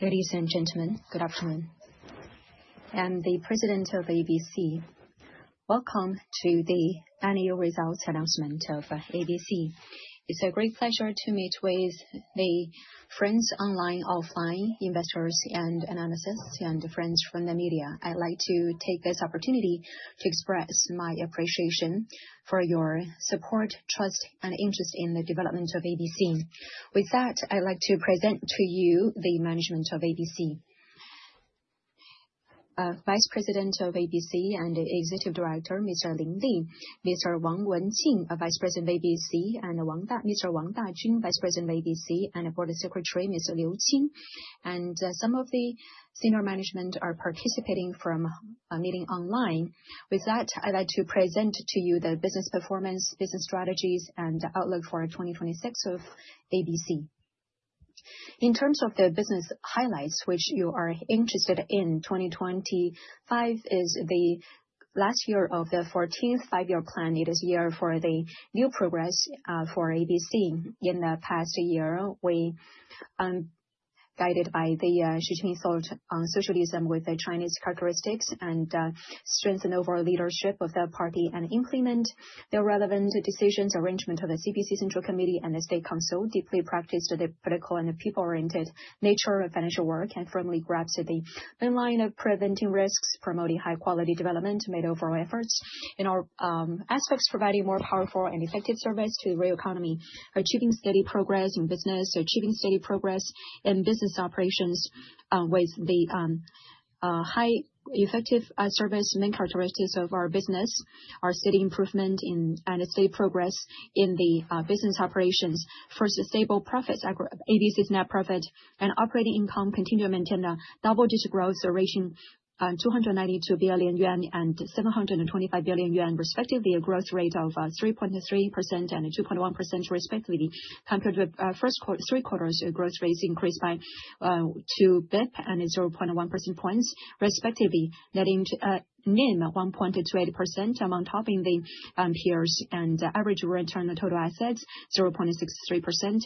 Ladies and gentlemen, good afternoon. I'm the President of ABC. Welcome to the annual results announcement of ABC. It's a great pleasure to meet with the friends online, offline, investors and analysts, and friends from the media. I'd like to take this opportunity to express my appreciation for your support, trust, and interest in the development of ABC. With that, I'd like to present to you the management of ABC. Vice President of ABC and Executive Director, Mr. Lin Li, Mr. Wang Wenjin, Vice President of ABC, and Mr. Wang Zhiheng, Vice President of ABC, and our Board Secretary, Mr. Liu Qing. Some of the senior management are participating from a meeting online. With that, I'd like to present to you the business performance, business strategies and outlook for 2026 of ABC. In terms of the business highlights which you are interested in, 2025 is the last year of the 14th five-year plan. It is a year for the new progress for ABC. In the past year, we, guided by the socialism with Chinese characteristics and strengthened overall leadership of the party and implement the relevant decisions, arrangements of the CPC Central Committee and the State Council, deeply practiced the political and people-oriented nature of financial work, and firmly grasped the main line of preventing risks, promoting high-quality development, made overall efforts in our aspects providing more powerful and effective service to real economy. Achieving steady progress in business operations with the highly effective service main characteristics of our business. Our steady improvement in, and a steady progress in the business operations. First, stable profits. ABC's net profit and operating income continue to maintain a double-digit growth, reaching 292 billion yuan and 725 billion yuan respectively, a growth rate of 3.3% and 2.1% respectively. Compared with three quarters growth rates increased by 2 basis points and 0.1 percentage points respectively, NIM 1.28% among top in the peers. Average return on total assets 0.63%.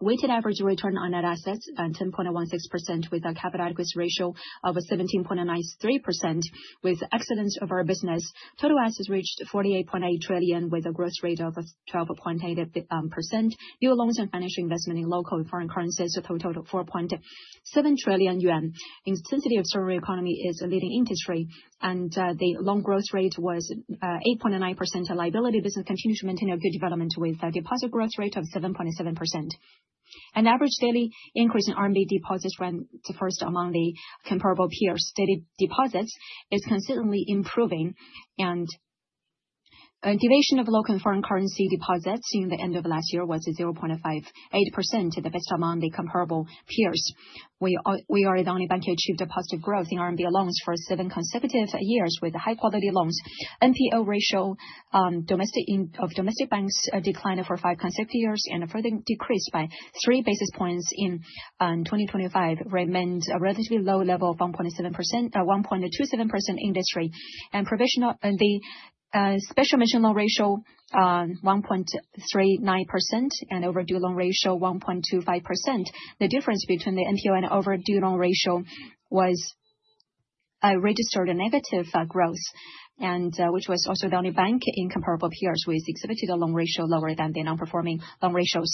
Weighted average return on net assets 10.16% with a capital risk ratio of 17.93% with excellence of our business. Total assets reached 48.8 trillion with a growth rate of 12.8%. New loans and financial investment in local and foreign currencies total to 4.7 trillion yuan. Service to the real economy is a leading industry and the loan growth rate was 8.9%. Liability business continued to maintain a good development with a deposit growth rate of 7.7%. An average daily increase in RMB deposits ranked first among the comparable peer steady deposits. It's consistently improving, and duration of low confirmed currency deposits at the end of last year was 0.58%, the best among the comparable peers. We are the only bank to achieve deposit growth in RMB loans for seven consecutive years with high quality loans. NPL ratio of domestic banks declined for five consecutive years and further decreased by 3 basis points in 2025, remained a relatively low level of 1.7%, at 1.27% industry. The special mention loan ratio 1.39%, and overdue loan ratio 1.25%. The difference between the NPL and overdue loan ratio registered a negative growth, which was also the only bank in comparable peers which exhibited a loan ratio lower than the non-performing loan ratios.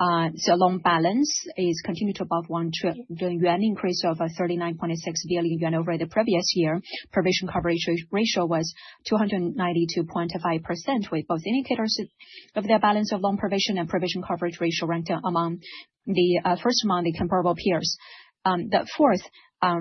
ABC, its loan balance continued to above 1 trillion yuan, increase of 39.6 billion yuan over the previous year. Provision coverage ratio was 292.5%, with both indicators of the balance of loan provision and provision coverage ratio ranked first among the comparable peers. The total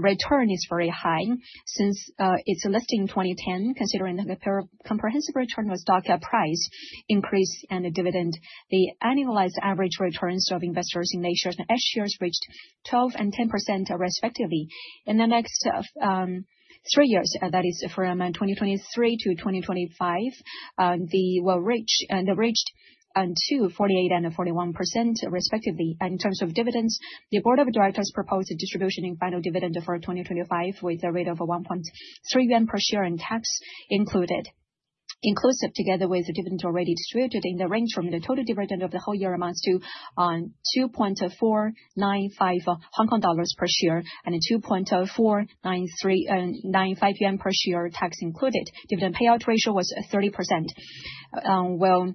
return is very high since its listing in 2010, considering the comprehensive return was stock price increase and the dividend. The annualized average returns of investors in A-shares and H-shares reached 12% and 10% respectively. In the next three years, that is from 2023-2025, the returns reached 24.8% and 41% respectively. In terms of dividends, the board of directors proposed a distribution of final dividend for 2025 with a rate of 1.3 yuan per share, tax included. Inclusive of the dividend already distributed, amounts to 2.495 Hong Kong dollars per share and 2.495 yuan per share, tax included. Dividend payout ratio was 30%. We'll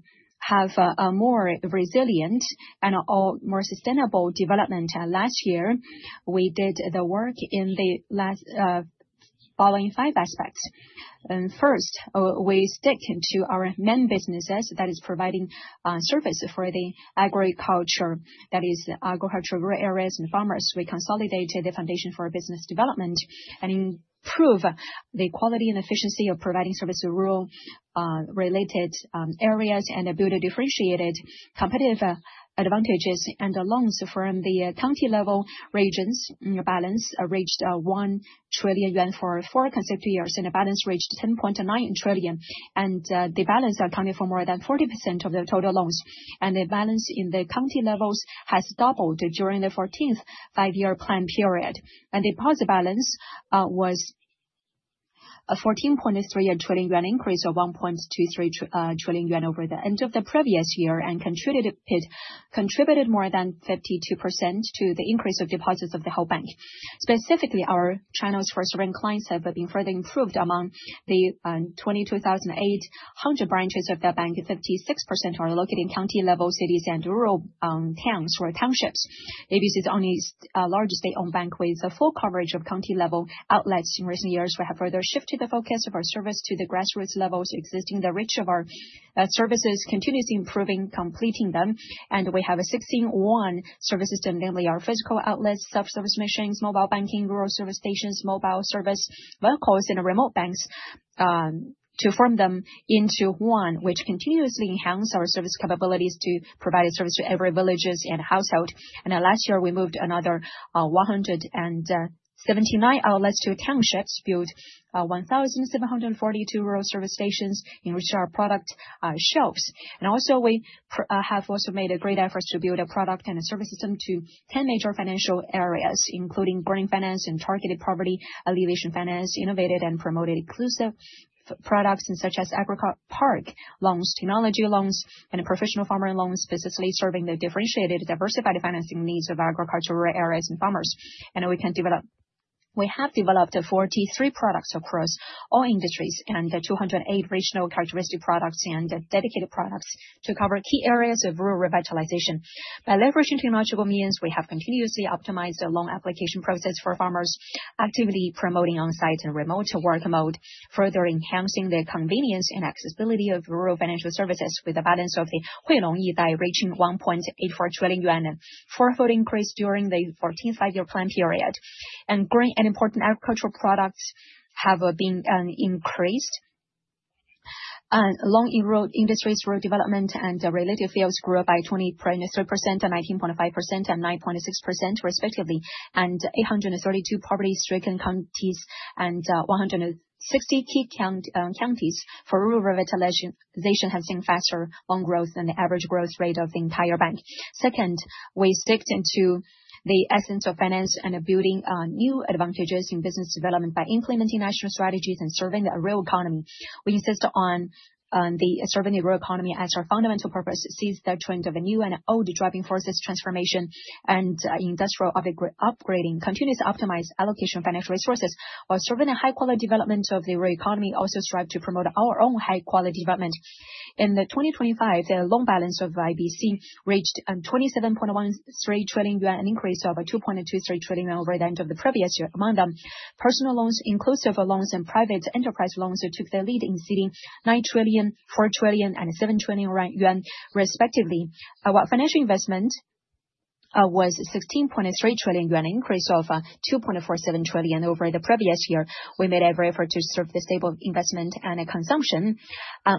have a more resilient and more sustainable development. Last year, we did the work in the following five aspects. First, we stick to our main businesses. That is providing service for the agriculture, that is agricultural areas and farmers. We consolidated the foundation for business development and improved the quality and efficiency of providing service to rural-related areas and build a differentiated competitive advantages. The loans from the county-level regions balance reached 1 trillion yuan for four consecutive years, and the balance reached 10.9 trillion. The balance accounting for more than 40% of the total loans. The balance in the county-levels has doubled during the 14th five-year plan period. Deposit balance was an 14.3 trillion yuan increase of 1.23 trillion yuan over the end of the previous year and contributed more than 52% to the increase of deposits of the whole bank. Specifically, our channels for serving clients have been further improved. Among the 22,800 branches of the bank, 56% are located in county-level cities and rural towns or townships. ABC is the only large state-owned bank with full coverage of county-level outlets. In recent years, we have further shifted the focus of our service to the grassroots levels, extending the reach of our services, continuously improving, completing them. We have a six-in-one service system, namely our physical outlets, self-service machines, mobile banking, rural service stations, mobile service vehicles in remote banks, to form them into one. Which continuously enhance our service capabilities to provide service to every village and household. Last year, we moved another 179 outlets to townships, built 1,742 rural service stations, in which our product shelves. We have also made a great effort to build a product and a service system to 10 major financial areas, including green finance and targeted poverty alleviation finance, innovated and promoted inclusive products such as agricultural park loans, technology loans, and professional farmer loans, specifically serving the differentiated diversified financing needs of agricultural areas and farmers. We have developed 43 products across all industries and the 208 regional characteristic products and dedicated products to cover key areas of rural revitalization. By leveraging technological means, we have continuously optimized the loan application process for farmers, actively promoting on-site and remote work mode, further enhancing the convenience and accessibility of rural financial services with the balance of the Huinong e-Loan reaching 1.84 trillion yuan and fourfold increase during the 14th five-year plan period. Grain and important agricultural products have been increased. Along rural industries, rural development and related fields grew by 20.3%, 19.5%, and 9.6% respectively, and 832 poverty-stricken counties and 160 key counties for rural revitalization has seen faster loan growth than the average growth rate of the entire bank. Second, we stick to the essence of finance and building new advantages in business development by implementing national strategies and serving the real economy. We insist on serving the real economy as our fundamental purpose. We see the trend of the new and old driving forces transformation and industrial upgrading, continuously optimize allocation of financial resources, while serving a high quality development of the real economy also strive to promote our own high quality development. In 2025, the loan balance of ABC reached 27.13 trillion yuan, an increase of 2.23 trillion yuan over the end of the previous year. Among them, personal loans, inclusive loans, and private enterprise loans took the lead in reaching 9 trillion, 4 trillion and 7 trillion yuan respectively. Our financial investment was 16.3 trillion yuan, an increase of 2.47 trillion over the previous year. We made every effort to serve stable investment and consumption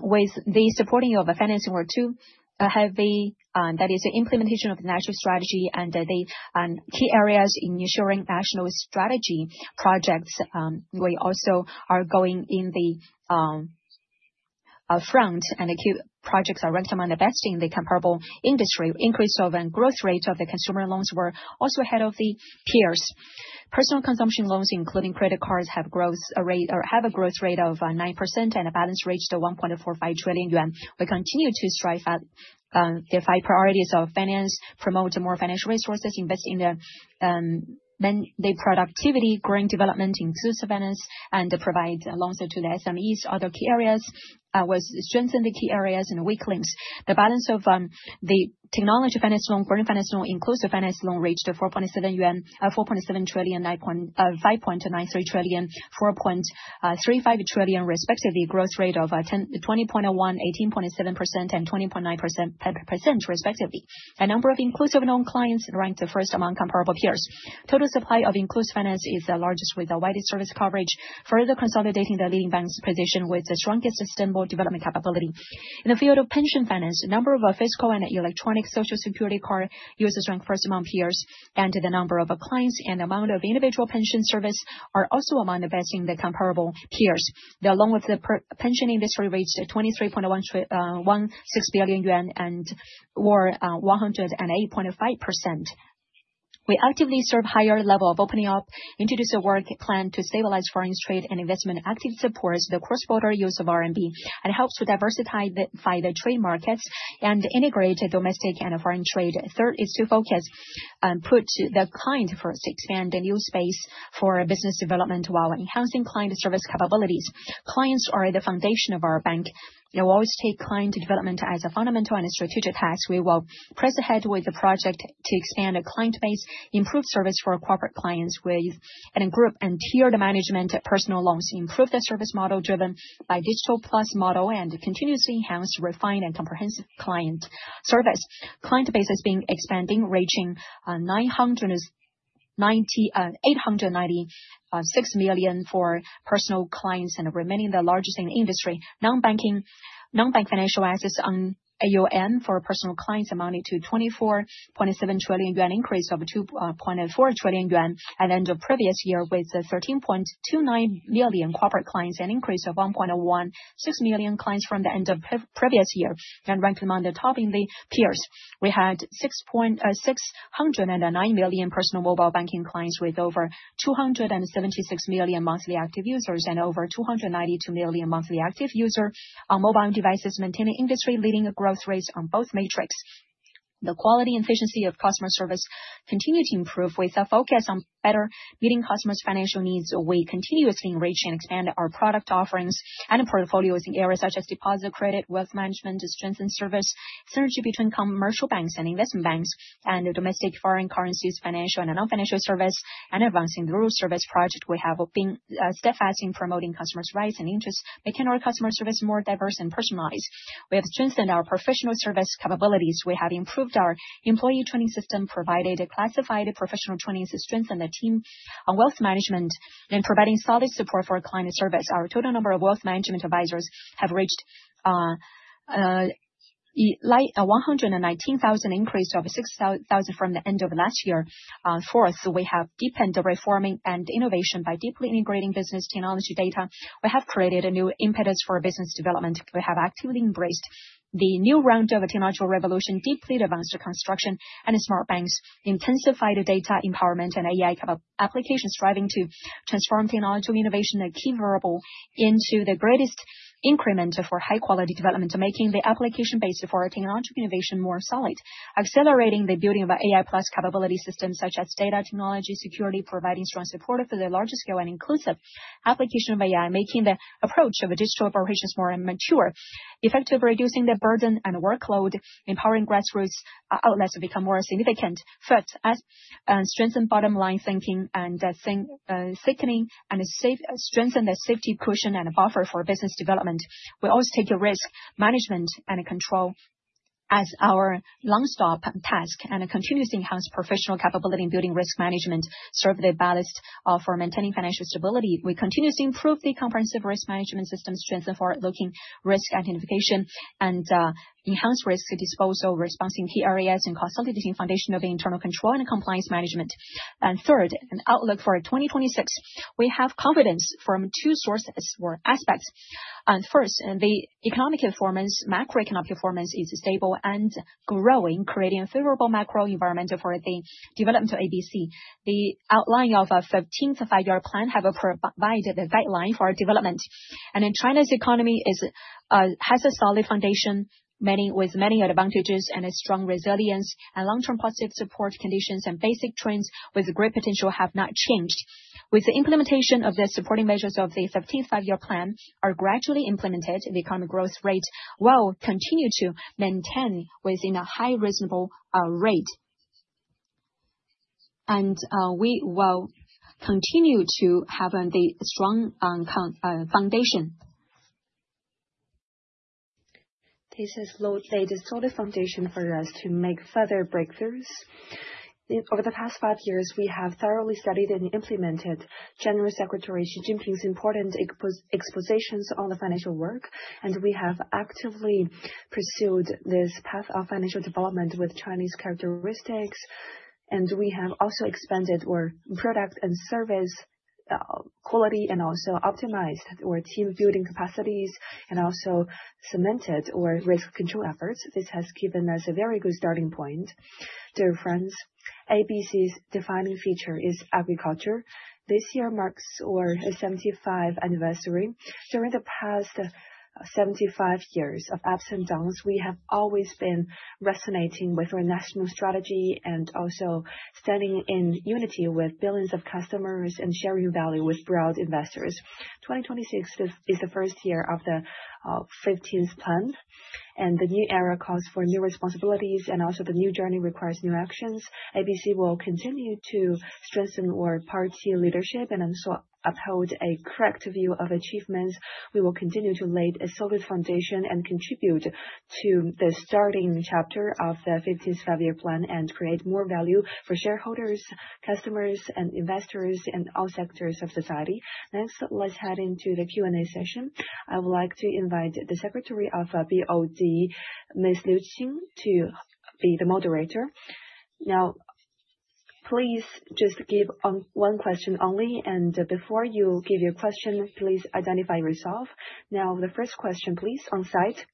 with the support of financing work, that is, the implementation of the national strategy and the key areas in ensuring national strategy projects. We are also are going in the front, and key projects are ranked among the best in the comparable industry. Increases and growth rates of the consumer loans were also ahead of the peers. Personal consumption loans, including credit cards, have a growth rate of 9% and a balance reached 1.45 trillion yuan. We continue to strive for the Five Priorities of Finance, promote more financial resources, invest in the productivity, growing development, inclusive finance and provide loans to the SMEs. Other key areas, we strengthen the key areas and weak links. The balance of the technology finance loan, foreign finance loan, inclusive finance loan reached 4.7 trillion, 5.93 trillion, 4.35 trillion respectively. Growth rate of 10%, 20.1%, 18.7% and 20.9% respectively. The number of inclusive loan clients ranked first among comparable peers. Total supply of inclusive finance is the largest with the widest service coverage, further consolidating the leading bank's position with the strongest and sustainable development capability. In the field of pension finance, number of physical and electronic Social Security card users ranked first among peers, and the number of clients and amount of individual pension service are also among the best in the comparable peers. The loan for the pension industry reached 23.16 billion yuan or 108.5%. We actively serve higher level of opening up, introduce a work plan to stabilize foreign trade and investment, actively supports the cross-border use of RMB, and helps to diversify the trade markets and integrate domestic and foreign trade. Third is to focus, put the client first, expand the new space for business development while enhancing client service capabilities. Clients are the foundation of our bank. We always take client development as a fundamental and strategic task. We will press ahead with the project to expand the client base, improve service for corporate clients with and group and tier the management personal loans, improve the service model driven by digital plus model, and continuously enhance refined and comprehensive client service. Client base has been expanding, ranging 896 million for personal clients and remaining the largest in the industry. Non-bank financial assets on AUM for personal clients amounted to 24.7 trillion yuan, increase of 2.4 trillion yuan at end of previous year with 13.29 million corporate clients, an increase of 1.16 million clients from the end of previous year and ranked among the top in the peers. We had 609 million personal mobile banking clients with over 276 million monthly active users and over 292 million monthly active user on mobile devices, maintaining industry leading growth rates on both metrics. The quality and efficiency of customer service continue to improve. With a focus on better meeting customers' financial needs, we continuously enrich and expand our product offerings and portfolios in areas such as deposit credit, wealth management to strengthen service, synergy between commercial banks and investment banks, and domestic foreign currencies, financial and non-financial service, and advancing rural service project. We have been steadfast in promoting customers' rights and interests, making our customer service more diverse and personalized. We have strengthened our professional service capabilities. We have improved our employee training system, provided a classified professional training to strengthen the team on wealth management and providing solid support for our client service. Our total number of wealth management advisors have reached 119,000, increase of 6,000 from the end of last year. Fourth, we have deepened the reform and innovation by deeply integrating business, technology, data. We have created a new impetus for business development. We have actively embraced the new round of a technological revolution, deeply advanced the construction of smart banks, intensified data empowerment and AI applications, striving to transform technological innovation, a key variable into the greatest increment for high-quality development, making the application base for our technological innovation more solid. Accelerating the building of AI plus capability systems such as data technology, security, providing strong support for the larger scale and inclusive application of AI, making the approach of digital operations more mature. Effectively reducing the burden and workload, empowering grassroots outlets to become more significant. Fifth, strengthen bottom line thickening and strengthen the safety cushion and buffer for business development. We always take the risk management and control as our long-stop task, and continuously enhance professional capability in building risk management, serve as the ballast for maintaining financial stability. We continue to improve the comprehensive risk management system, strengthen forward-looking risk identification and enhance risk disposal response in key areas and consolidating foundation of the internal control and compliance management. Third, an outlook for 2026. We have confidence from two sources or aspects. First, the economic performance, macroeconomic performance is stable and growing, creating a favorable macro environment for the development of ABC. The outline of our 15th five-year plan have provided the guideline for our development. China's economy has a solid foundation, with many advantages and a strong resilience and long-term positive support conditions and basic trends with great potential have not changed. With the implementation of the supporting measures of the 15th Five-Year Plan are gradually implemented, the economic growth rate will continue to maintain within a high reasonable rate. We will continue to have the strong foundation. This has laid a solid foundation for us to make further breakthroughs. Over the past five years, we have thoroughly studied and implemented General Secretary Xi Jinping's important expositions on the financial work, and we have actively pursued this path of financial development with Chinese characteristics. We have also expanded our product and service quality, and also optimized our team building capacities, and also cemented our risk control efforts. This has given us a very good starting point. Dear friends, ABC's defining feature is agriculture. This year marks our 75th anniversary. During the past 75 years of ups and downs, we have always been resonating with our national strategy and also standing in unity with billions of customers and sharing value with broad investors. 2026 is the first year of the 15th plan, and the new era calls for new responsibilities and also the new journey requires new actions. ABC will continue to strengthen our party leadership and also uphold a correct view of achievements. We will continue to lay a solid foundation and contribute to the starting chapter of the 15th Five-Year Plan and create more value for shareholders, customers, and investors in all sectors of society. Next, let's head into the Q&A session. I would like to invite the Secretary of BOD, Ms. Liu Qing, to be the moderator. Now please just give one question only, and before you give your question, please identify yourself. Now, the first question, please, on site.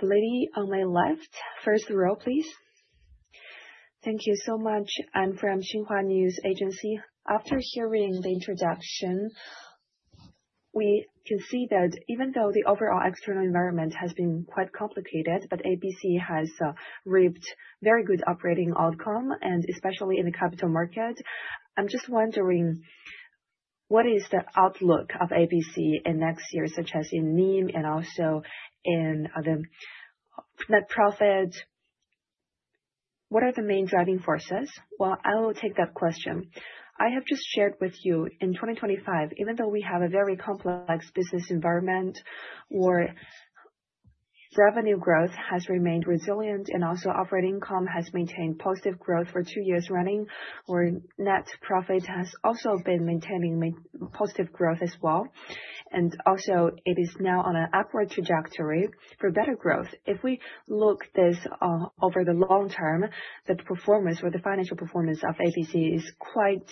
The lady on my left, first row, please. Thank you so much. I'm from Xinhua News Agency. After hearing the introduction, we can see that even though the overall external environment has been quite complicated, but ABC has reaped very good operating outcome, and especially in the capital market. I'm just wondering, what is the outlook of ABC in next year, such as in NIM and also in the net profit? What are the main driving forces? Well, I will take that question. I have just shared with you, in 2025, even though we have a very complex business environment, our revenue growth has remained resilient and also operating income has maintained positive growth for two years running. Our net profit has also been maintaining positive growth as well. Also, it is now on an upward trajectory for better growth. If we look at this over the long term, the performance or the financial performance of ABC is quite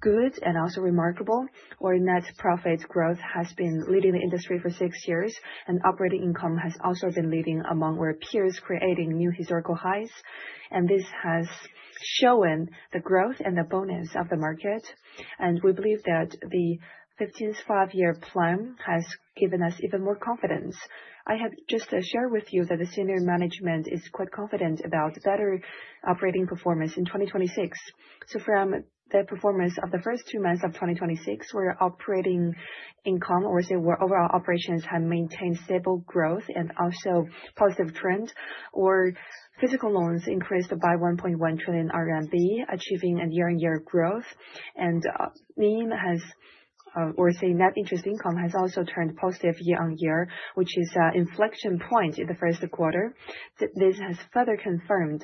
good and also remarkable. Our net profit growth has been leading the industry for six years, and operating income has also been leading among our peers, creating new historical highs and this has showed the growth and the bonus of the market. We believe that the 15th five-year plan has given us even more confidence. I have just shared with you that the senior management is quite confident about better operating performance in 2026. From the performance of the first two months of 2026, where operating income or say where overall operations have maintained stable growth and also positive trend, corporate loans increased by 1.1 trillion RMB, achieving a year-on-year growth. NIM has, or say, net interest income has also turned positive year-on-year, which is an inflection point in the first quarter. This has further confirmed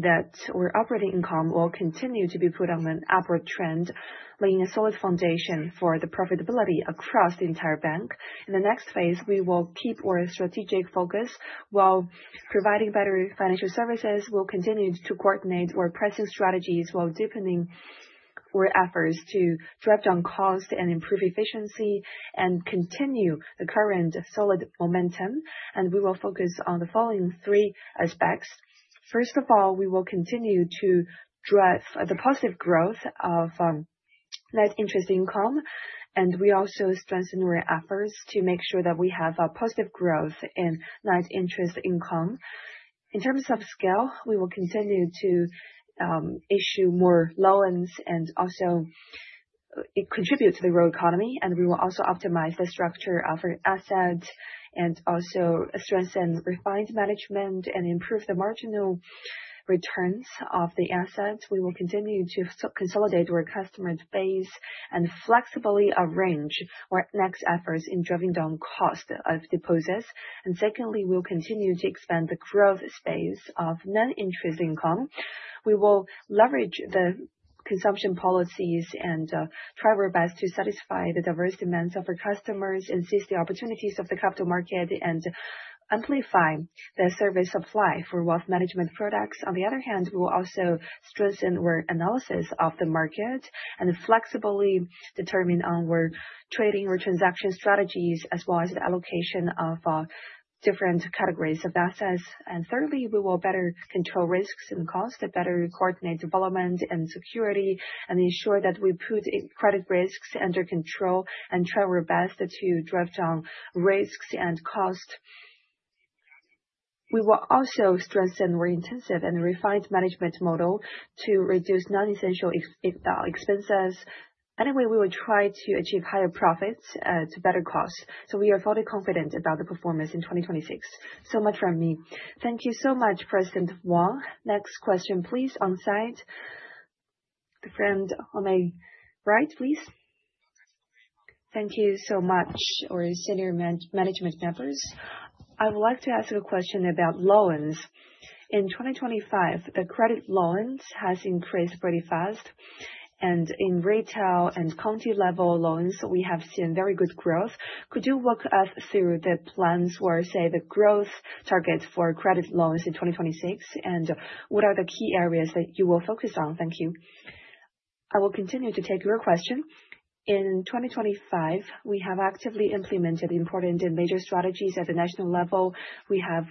that our operating income will continue to be put on an upward trend, laying a solid foundation for the profitability across the entire bank. In the next phase, we will keep our strategic focus while providing better financial services. We'll continue to coordinate our pricing strategies while deepening our efforts to control costs and improve efficiency and continue the current solid momentum, and we will focus on the following three aspects. First of all, we will continue to drive the positive growth of net interest income, and we also strengthen our efforts to make sure that we have a positive growth in net interest income. In terms of scale, we will continue to issue more loans and also contribute to the real economy, and we will also optimize the structure of our assets and also strengthen refined management and improve the marginal returns of the assets. We will continue to consolidate our customer base and flexibly arrange our next efforts in driving down cost of deposits. Secondly, we will continue to expand the growth space of non-interest income. We will leverage the consumption policies and try our best to satisfy the diverse demands of our customers and seize the opportunities of the capital market and amplify the service supply for wealth management products. On the other hand, we will also strengthen our analysis of the market and flexibly determine our trading or transaction strategies as well as the allocation of different categories of assets. Thirdly, we will better control risks and costs to better coordinate development and security and ensure that we put credit risks under control and try our best to drive down risks and costs. We will also strengthen more intensive and refined management model to reduce non-essential expenses. Anyway, we will try to achieve higher profits to better costs. We are further confident about the performance in 2026. So much from me. Thank you so much, President Wang. Next question, please, on site. The friend on my right, please. Thank you so much, our senior management members. I would like to ask you a question about loans. In 2025, the credit loans has increased pretty fast, and in retail and county-level loans, we have seen very good growth. Could you walk us through the plans or, say, the growth targets for credit loans in 2026? And what are the key areas that you will focus on? Thank you. I will continue to take your question. In 2025, we have actively implemented important and major strategies at the national level. We have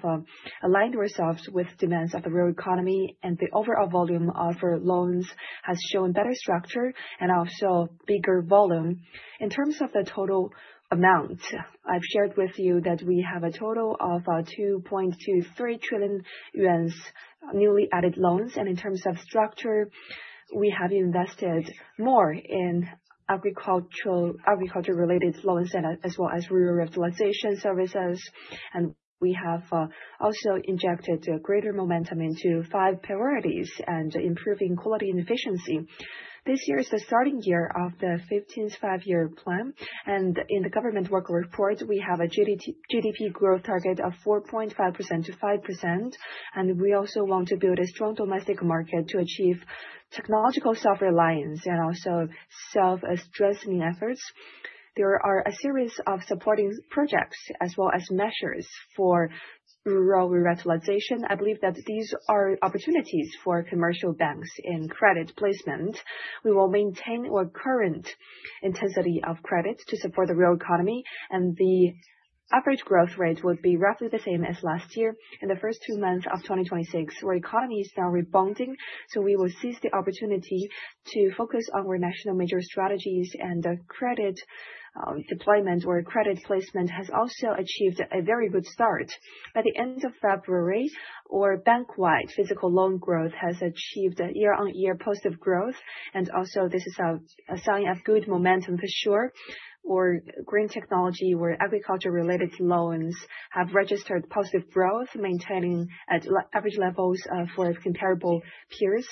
aligned ourselves with demands of the real economy, and the overall volume of our loans has shown better structure and also bigger volume. In terms of the total amount, I've shared with you that we have a total of 2.23 trillion yuan newly added loans. In terms of structure, we have invested more in agricultural, agriculture-related loans and as well as rural revitalization services. We have also injected a greater momentum into five priorities and improving quality and efficiency. This year is the starting year of the 15th Five-Year Plan, and in the government work report, we have a GDP growth target of 4.5%-5%. We also want to build a strong domestic market to achieve technological self-reliance and also self-stressing efforts. There are a series of supporting projects as well as measures for rural revitalization. I believe that these are opportunities for commercial banks in credit placement. We will maintain our current intensity of credit to support the real economy, and the average growth rate would be roughly the same as last year. In the first two months of 2026, our economy is now rebounding, so we will seize the opportunity to focus on our national major strategies and credit deployment or credit placement has also achieved a very good start. By the end of February, our bank-wide physical loan growth has achieved a year-on-year positive growth, and also this is a sign of good momentum for sure. Our green technology, our agriculture-related loans have registered positive growth, maintaining at leading average levels for comparable peers.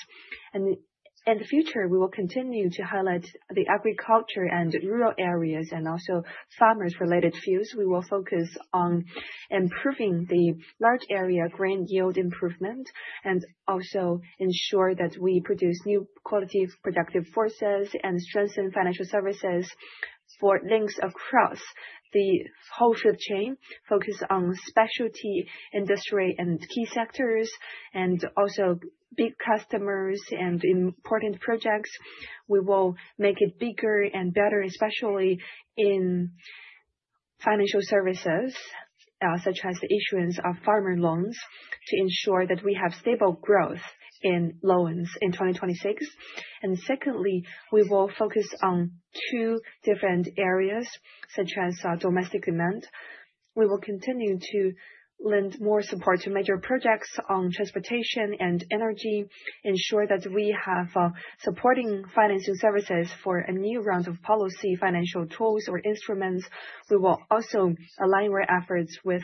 In the future, we will continue to highlight the agriculture and rural areas and also farmers-related fields. We will focus on improving the large area grain yield improvement and also ensure that we produce new quality productive forces and strengthen financial services for links across the whole food chain, focus on specialty industry and key sectors, and also big customers and important projects. We will make it bigger and better, especially in financial services such as the issuance of farmer loans to ensure that we have stable growth in loans in 2026. Secondly, we will focus on two different areas such as domestic demand. We will continue to lend more support to major projects on transportation and energy, ensure that we have supporting financing services for a new round of policy financial tools or instruments. We will also align our efforts with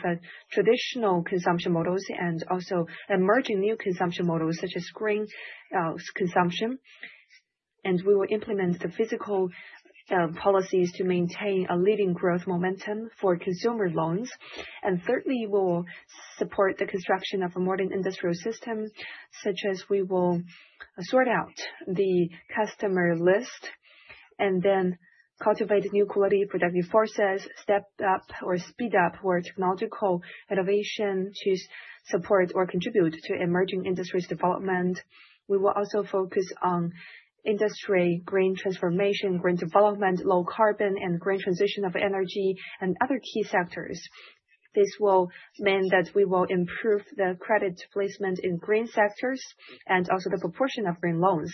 traditional consumption models and also emerging new consumption models such as green consumption. We will implement the fiscal policies to maintain a leading growth momentum for consumer loans. Thirdly, we will support the construction of a modern industrial system, such as we will sort out the customer list and then cultivate new quality productive forces, step up or speed up our technological innovation to support or contribute to emerging industries' development. We will also focus on industry green transformation, green development, low carbon and green transition of energy and other key sectors. This will mean that we will improve the credit placement in green sectors and also the proportion of green loans.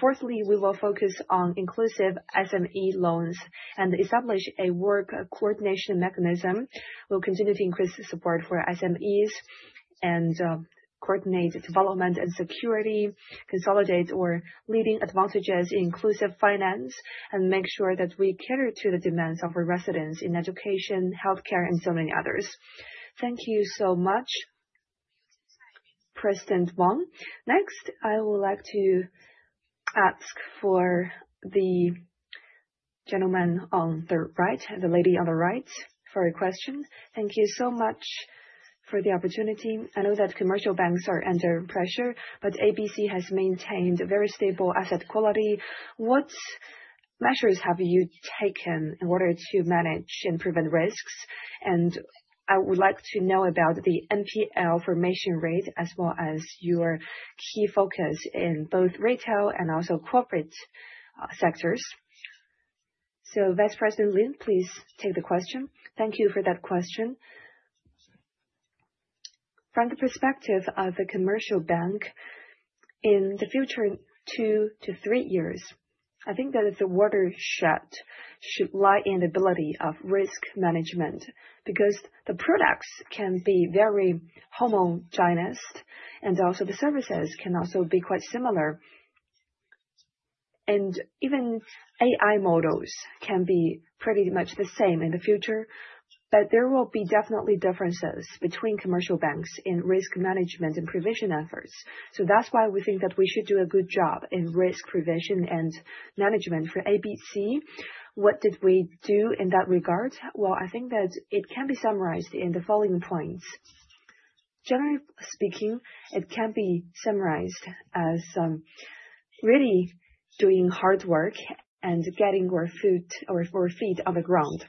Fourthly, we will focus on inclusive SME loans and establish a work coordination mechanism. We'll continue to increase support for SMEs and coordinate development and security, consolidate our leading advantages in inclusive finance, and make sure that we cater to the demands of our residents in education, healthcare, and so many others. Thank you so much, President Wang. Next, I would like to ask for the gentleman on the right, the lady on the right for a question. Thank you so much for the opportunity. I know that commercial banks are under pressure, but ABC has maintained very stable asset quality. What measures have you taken in order to manage and prevent risks? I would like to know about the NPL formation rate as well as your key focus in both retail and also corporate, sectors. Vice President Lin, please take the question. Thank you for that question. From the perspective of the commercial bank, in the future two, three years, I think that the watershed should lie in the ability of risk management, because the products can be very homogenous and also the services can also be quite similar. Even AI models can be pretty much the same in the future. There will be definitely differences between commercial banks in risk management and provision efforts. That's why we think that we should do a good job in risk prevention and management. For ABC, what did we do in that regard? Well, I think that it can be summarized in the following points. Generally speaking, it can be summarized as really doing hard work and getting our foot or our feet on the ground.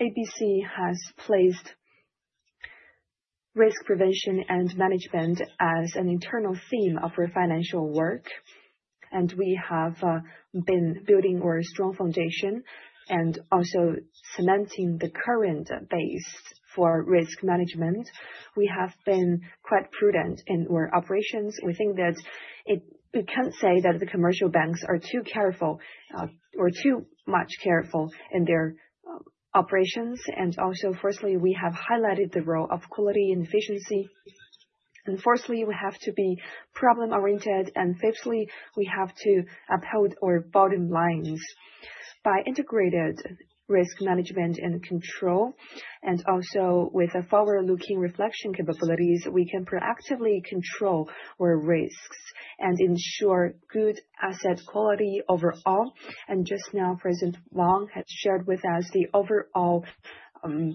ABC has placed risk prevention and management as an internal theme of our financial work, and we have been building our strong foundation and also cementing the current base for risk management. We have been quite prudent in our operations. We think that it, we can't say that the commercial banks are too careful or too much careful in their operations. Firstly, we have highlighted the role of quality and efficiency. Fourthly, we have to be problem-oriented. Fifthly, we have to uphold our bottom lines by integrated risk management and control. With a forward-looking reflection capabilities, we can proactively control our risks and ensure good asset quality overall. Just now, President Wang had shared with us the overall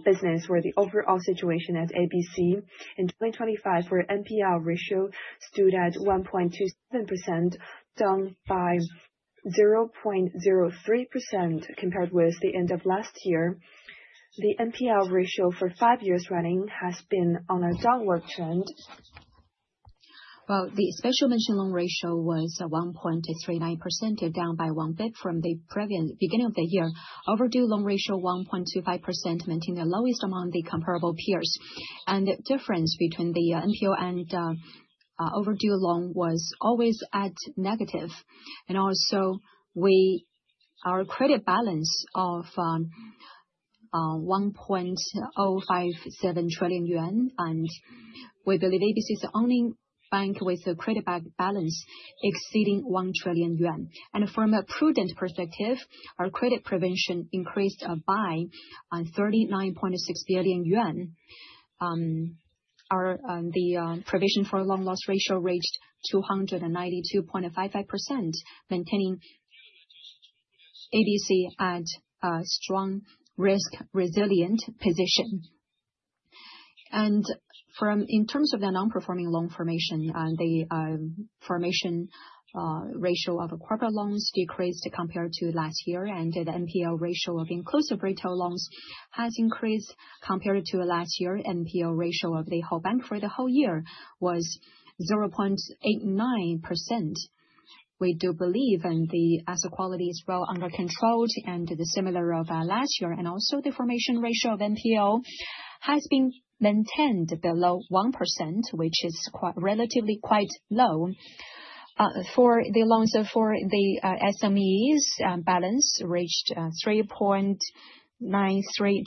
business or the overall situation at ABC. In 2025, our NPL ratio stood at 1.27%, down by 0.03% compared with the end of last year. The NPL ratio for five years running has been on a downward trend. The special mention loan ratio was at 1.39%, down by 0.01 from the previous beginning of the year. Overdue loan ratio 1.25%, maintaining the lowest among the comparable peers. The difference between the NPL and overdue loan was always at negative. Also, our credit balance of CNY 1.057 trillion. We believe ABC is the only bank with a credit balance exceeding 1 trillion yuan. From a prudent perspective, our credit provision increased by 39.6 billion yuan. The provision for loan loss ratio reached 292.55%, maintaining ABC at a strong risk resilient position. In terms of the non-performing loan formation ratio of corporate loans decreased compared to last year. The NPL ratio of inclusive retail loans has increased compared to last year. NPL ratio of the whole bank for the whole year was 0.89%. We do believe the asset quality is well under control and similar to last year and also the formation ratio of NPL has been maintained below 1%, which is relatively quite low. For the loans for the SMEs balance reached 3.93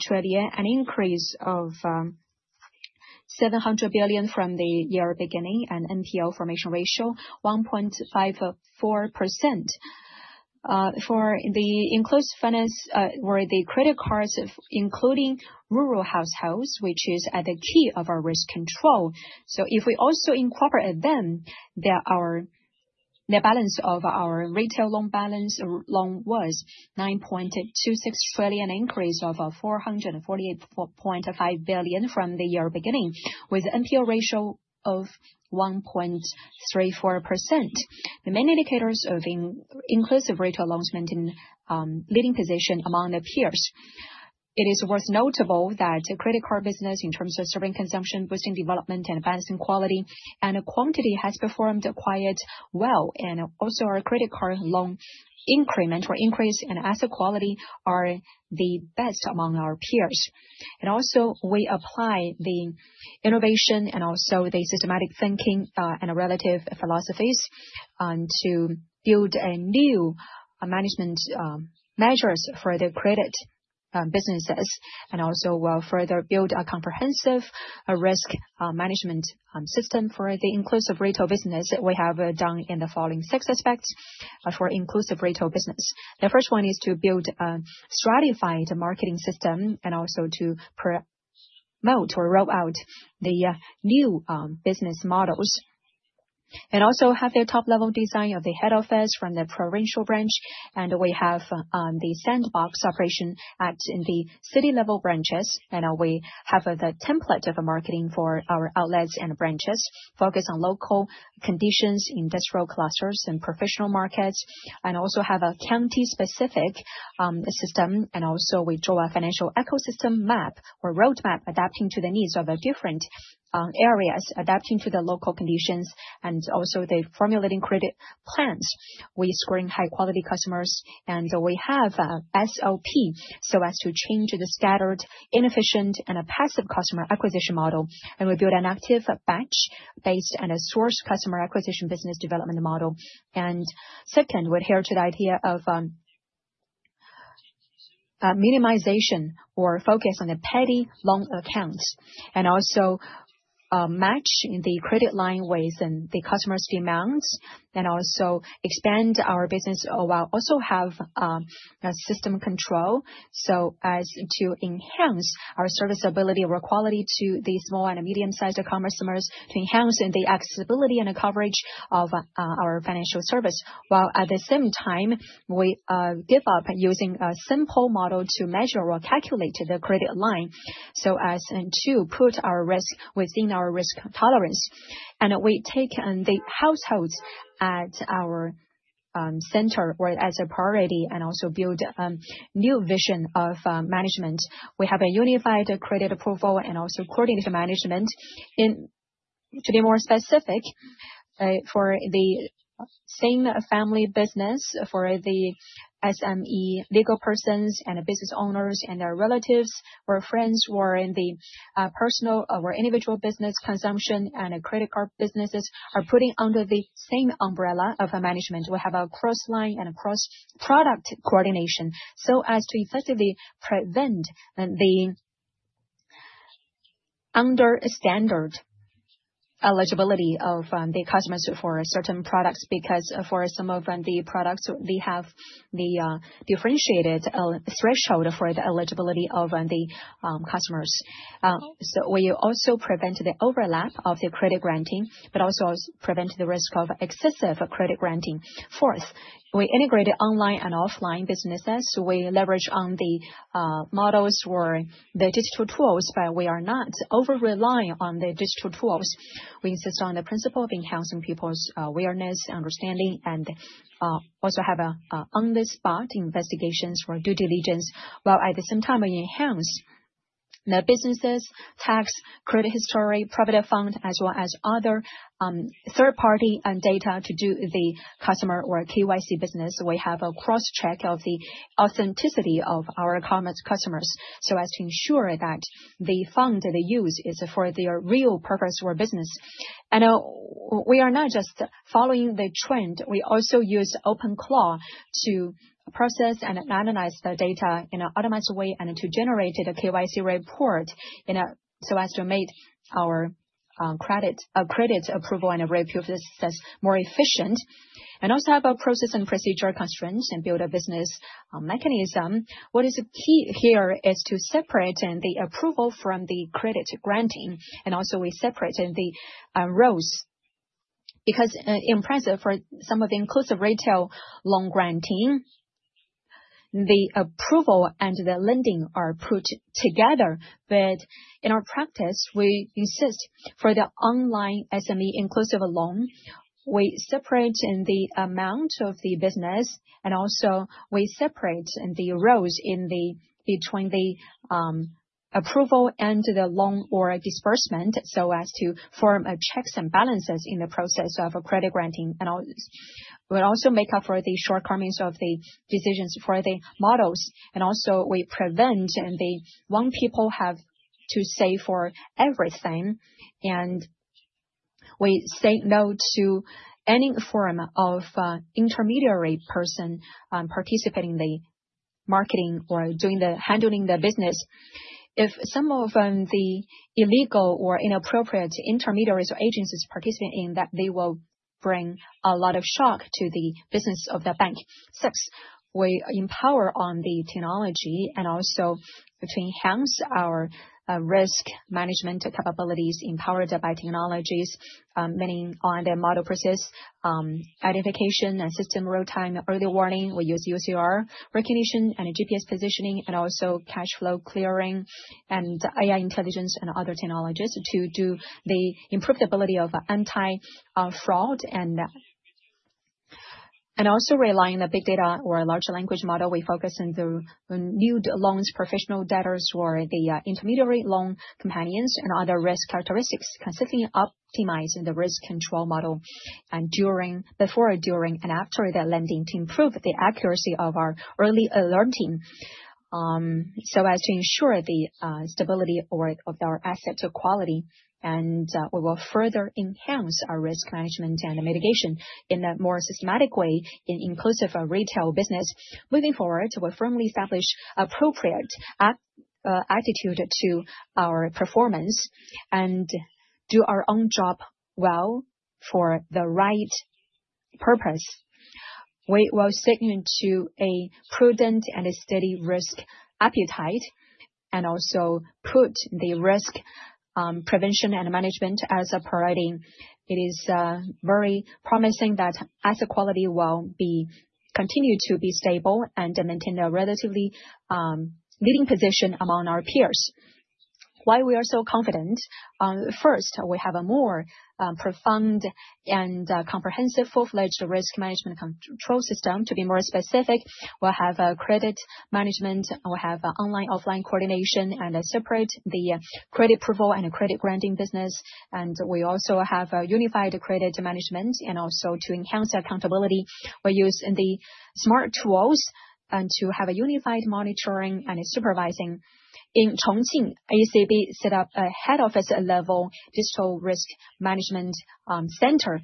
trillion, an increase of 700 billion from the year beginning, and NPL formation ratio 1.54%. For the inclusive finance or the credit cards, including rural households, which is at the key of our risk control. If we also incorporate them, then the balance of our retail loan balance or loan was 9.26 trillion, an increase of 444.5 billion from the year beginning, with NPL ratio of 1.34%. The main indicators of inclusive retail loans maintained leading position among the peers. It is noteworthy that credit card business in terms of serving consumption, boosting development, and advancing quality and quantity has performed quite well. Our credit card loan increment or increase and asset quality are the best among our peers. Also we apply the innovation and also the systematic thinking and relative philosophies to build a new management measures for the credit businesses. We further build a comprehensive risk management system for the inclusive retail business that we have done in the following six aspects for inclusive retail business. The first one is to build a stratified marketing system and also to promote or roll out the new business models. We have the top-level design of the head office from the provincial branch. We have the sandbox operation at the city-level branches. We have the template of marketing for our outlets and branches, focused on local conditions, industrial clusters and professional markets, and also have a county-specific system. We draw a financial ecosystem map or roadmap adapting to the needs of the different areas, adapting to the local conditions, and also the formulating credit plans. We're scoring high-quality customers, and we have SOP, so as to change the scattered, inefficient, and a passive customer acquisition model. We build an active batch-based and a source customer acquisition business development model. Second, we adhere to the idea of minimization or focus on the petty loan accounts, and also match the credit line with the customer's demands, and also expand our business or while also have system control, so as to enhance our service ability or quality to the small and medium-sized customers to enhance the accessibility and the coverage of our financial service, while at the same time, we give up using a simple model to measure or calculate the credit line, so as to put our risk within our risk tolerance. We take the households at our center or as a priority and also build new vision of management. We have a unified credit approval and also coordinated management. To be more specific, for the same family business, for the SME legal persons and business owners and their relatives or friends who are in the personal or individual business consumption and credit card businesses are putting under the same umbrella of management. We have a cross-line and a cross-product coordination so as to effectively prevent the under standard eligibility of the customers for certain products, because for some of the products, they have the differentiated threshold for the eligibility of the customers. We also prevent the overlap of the credit granting, but also prevent the risk of excessive credit granting. Fourth, we integrated online and offline businesses. We leverage on the models or the digital tools, but we are not over-relying on the digital tools. We insist on the principle of enhancing people's awareness, understanding, and also have on-the-spot investigations for due diligence, while at the same time we enhance the businesses, tax, credit history, private fund, as well as other third-party data to do the customer or KYC business. We have a cross-check of the authenticity of our commerce customers, so as to ensure that the fund they use is for their real purpose or business. We are not just following the trend. We also use OpenClaw to process and analyze the data in an automated way and to generate a KYC report so as to make our credit approval and review process more efficient, and also have a process and procedure constraints and build a business mechanism. What is key here is to separate the approval from the credit granting. We separate the roles, because in practice, for some of the inclusive retail loan granting, the approval and the lending are put together. In our practice, we insist on the online SME inclusive loan, we separate the approval of the business, and also we separate the roles between the approval and the loan or disbursement, so as to form checks and balances in the process of credit granting. We'll also make up for the shortcomings of the decisions for the models, and also we prevent any one person having a say in everything, and we say no to any form of intermediary person participating in the marketing or handling the business. If some of the illegal or inappropriate intermediaries or agencies participate in that, they will bring a lot of shock to the business of the bank. Six, we empower on the technology and also it enhance our risk management capabilities empowered by technologies, meaning on the model process, identification and system real-time early warning. We use OCR recognition and GPS positioning and also cash flow clearing and AI intelligence and other technologies to do the improved ability of anti-fraud. Also relying on big data or a large language model, we focus on the new loans, professional debtors, or the intermediary loan companies and other risk characteristics, consistently optimizing the risk control model and before, during, and after the lending to improve the accuracy of our early alerting, so as to ensure the stability of our asset quality. We will further enhance our risk management and mitigation in a more systematic way in inclusive retail business. Moving forward, we'll firmly establish appropriate attitude to our performance and do our own job well for the right purpose. We will stick to a prudent and a steady risk appetite and also put the risk prevention and management as a priority. It is very promising that asset quality will continue to be stable and maintain a relatively leading position among our peers. Why we are so confident? First, we have a more profound and comprehensive full-fledged risk management control system. To be more specific, we have a credit management, we have online/offline coordination and separate the credit approval and credit granting business. We also have a unified credit management and also to enhance accountability, we're using the smart tools and to have a unified monitoring and supervising. In Chongqing, ABC set up a head office level digital risk management center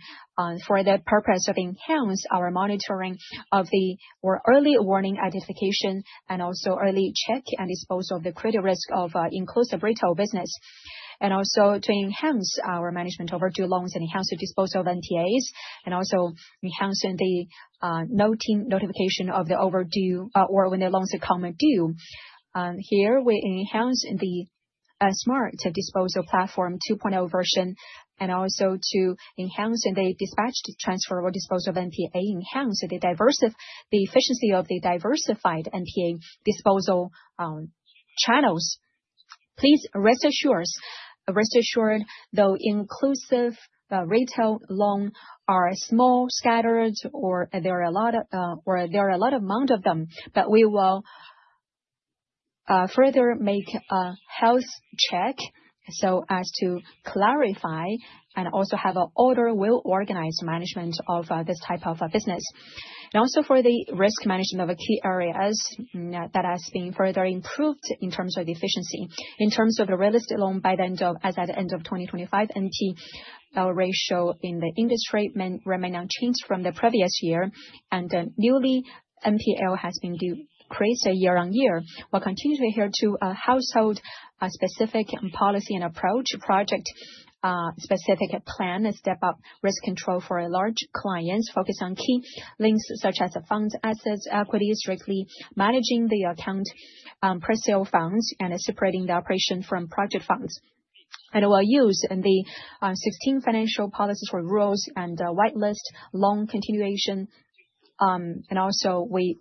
for the purpose of enhance our monitoring of early warning identification and also early check and dispose of the credit risk of inclusive retail business, and also to enhance our management overdue loans and enhance the disposal of NPAs, and also enhancing the notification of the overdue or when the loans are coming due. Here we enhance the smart disposal platform 2.0 version, and also to enhancing the dispatched transfer or disposal of NPA, enhancing the efficiency of the diversified NPA disposal channels. Please rest assured, though inclusive retail loans are small, scattered, or there are a large amount of them, but we will further make a health check so as to clarify and also have an order, well-organized management of this type of a business. Also for the risk management of key areas that has been further improved in terms of efficiency. In terms of the retail loan as at the end of 2025, NPL ratio in the industry remain unchanged from the previous year, and newly NPL has been decreased year-on-year. We'll continue to adhere to a housing-specific policy and approach, project-specific plan, and step up risk control for large clients, focus on key links such as funds, assets, equity, strictly managing the account, presale funds, and separating the operation from project funds. We'll use the 16 financial measures for real estate and whitelist loan continuation. We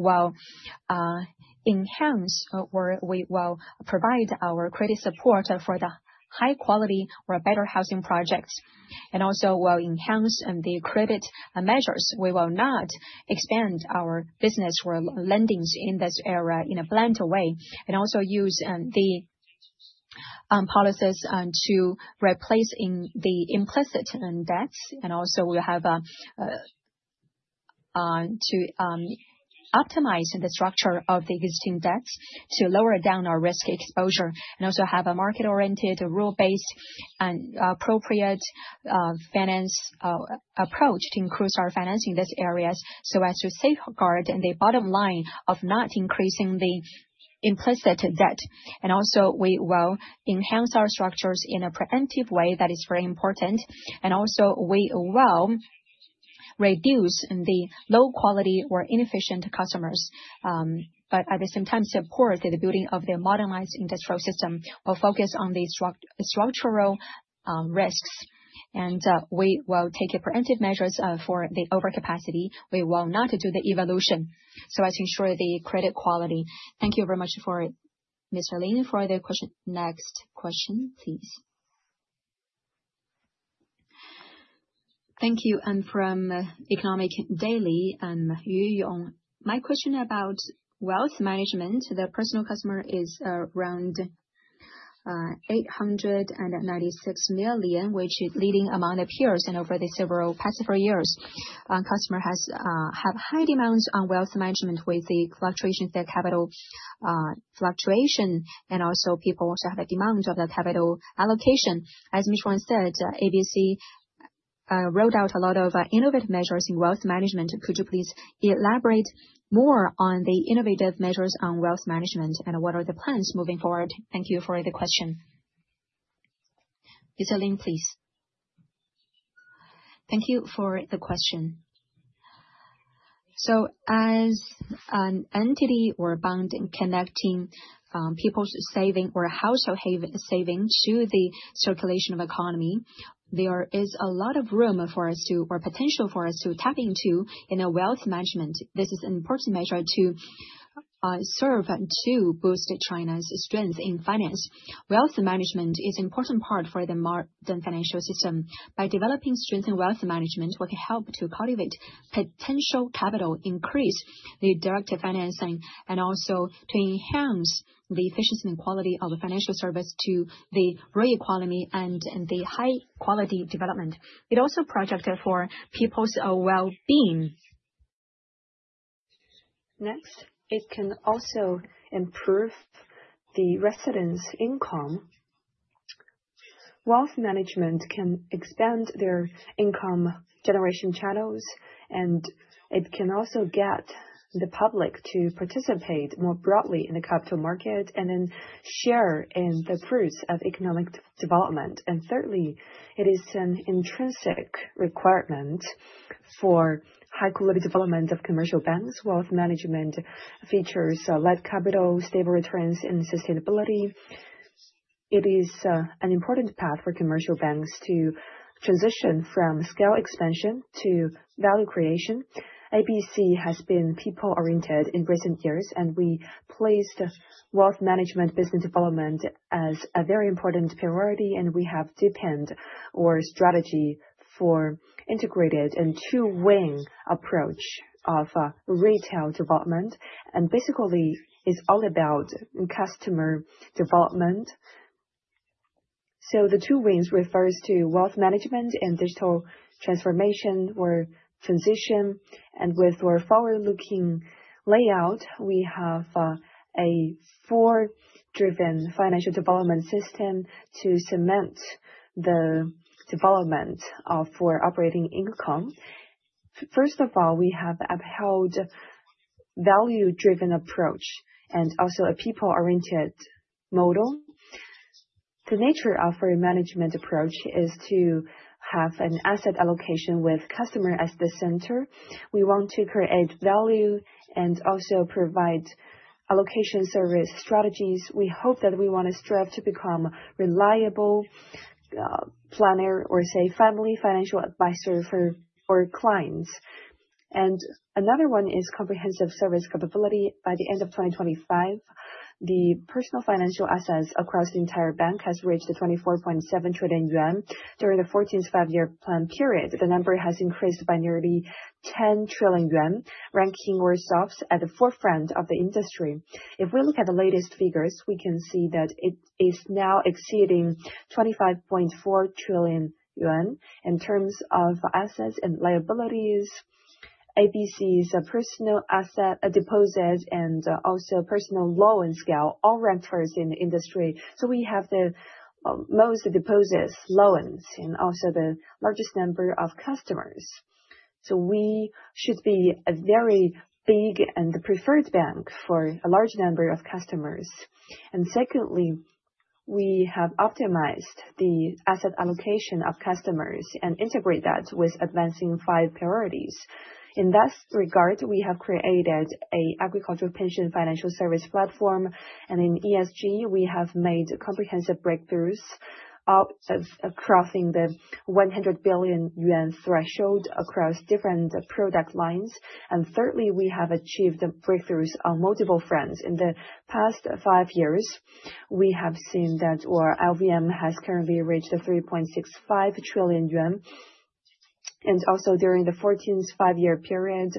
will provide our credit support for the high quality or better housing projects, and also will enhance the credit measures. We will not expand our business or lendings in this area in a blunt way, and also use the policies to replace implicit debts. We have to optimize the structure of the existing debts to lower our risk exposure, and also have a market-oriented, rule-based, and appropriate financial approach to increase our financing in these areas so as to safeguard the bottom line of not increasing the implicit debt. We will enhance our structures in a preemptive way that is very important. We will reduce the low quality or inefficient customers, but at the same time support the building of the modernized industrial system. We'll focus on the structural risks. We will take preemptive measures for the overcapacity. We will not do the resolution, so as to ensure the credit quality. Thank you very much for it. Mr. Lin, for the question. Next question, please. Thank you. I'm from Economic Daily. I'm Yu Yong. My question about wealth management. The personal customer is around 896 million, which is leading among the peers and past several years. Customers have high demands on wealth management with the fluctuation of their capital, and people have a demand of the capital allocation. As Lin said, ABC rolled out a lot of innovative measures in wealth management. Could you please elaborate more on the innovative measures on wealth management and what are the plans moving forward? Thank you for the question. Ms. Lin, please. Thank you for the question. As an entity or bank connecting people's saving or household saving to the circulation of economy, there is a lot of room for us to or potential for us to tap into in wealth management. This is an important measure to serve to boost China's financial strength. Wealth management is important part for the financial system. By developing strength in wealth management, we can help to cultivate potential capital increase, the direct financing, and also to enhance the efficiency and quality of the financial service to the real economy and the high-quality development. It also protects people's wellbeing. Next, it can also improve the residents' income. Wealth management can expand their income generation channels, and it can also get the public to participate more broadly in the capital market and then share in the fruits of economic development. Thirdly, it is an intrinsic requirement for high quality development of commercial banks. Wealth management features a light capital, stable returns, and sustainability. It is an important path for commercial banks to transition from scale expansion to value creation. ABC has been people-oriented in recent years, and we placed wealth management business development as a very important priority, and we have deepened our strategy for integrated and two-wing approach of retail development. Basically, it's all about customer development. The two wings refers to wealth management and digital transformation or transition. With our forward-looking layout, we have a forward-driven financial development system to cement the development for operating income. First of all, we have upheld value-driven approach and also a people-oriented model. The nature of our management approach is to have an asset allocation with customer as the center. We want to create value and also provide allocation service strategies. We hope that we wanna strive to become reliable, planner or say family financial advisor for our clients. Another one is comprehensive service capability. By the end of 2025, the personal financial assets across the entire bank has reached 24.7 trillion yuan. During the 14th Five-Year Plan period, the number has increased by nearly 10 trillion yuan, ranking our stocks at the forefront of the industry. If we look at the latest figures, we can see that it is now exceeding 25.4 trillion yuan. In terms of assets and liabilities, ABC's personal asset deposit and also personal loan scale all rank first in the industry. We have the most deposits, loans, and also the largest number of customers. We should be a very big and the preferred bank for a large number of customers. Secondly, we have optimized the asset allocation of customers and integrate that with advancing five priorities. In that regard, we have created an agricultural pension financial service platform, and in ESG, we have made comprehensive breakthroughs in crossing the 100 billion yuan threshold across different product lines. Thirdly, we have achieved the breakthroughs on multiple fronts. In the past five years, we have seen that our AUM has currently reached 3.65 trillion yuan. During the 14th five-year period,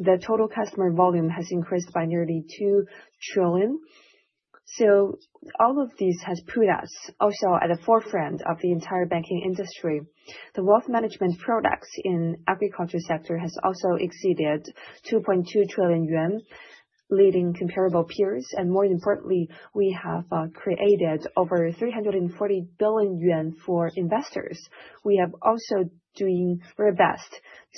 the total customer volume has increased by nearly 2 trillion. All of these has put us also at the forefront of the entire banking industry. The wealth management products in agriculture sector has also exceeded 2.2 trillion yuan, leading comparable peers. More importantly, we have created over 340 billion yuan for investors. We are also doing our best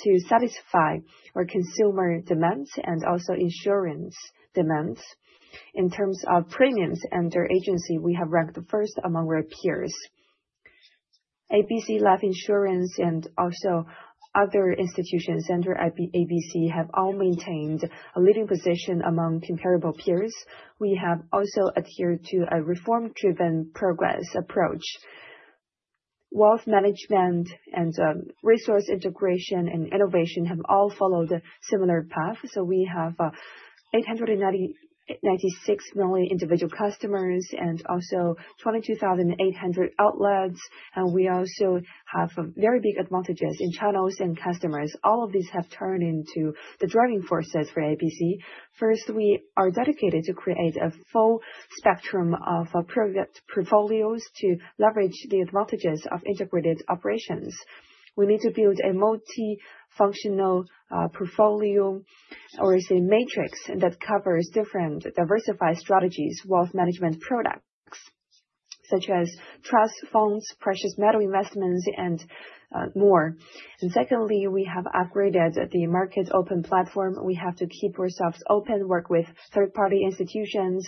to satisfy our consumer demands and also insurance demands. In terms of premiums and their agency, we have ranked first among our peers. ABC Life Insurance and also other institutions under ABC have all maintained a leading position among comparable peers. We have also adhered to a reform-driven progress approach. Wealth management and resource integration and innovation have all followed a similar path. We have 896 million individual customers and also 22,800 outlets. We also have very big advantages in channels and customers. All of these have turned into the driving forces for ABC. First, we are dedicated to create a full spectrum of product portfolios to leverage the advantages of integrated operations. We need to build a multifunctional portfolio or say matrix that covers different diversified strategies wealth management products. Such as trust funds, precious metal investments, and more. Secondly, we have upgraded the market's open platform. We have to keep ourselves open, work with third-party institutions,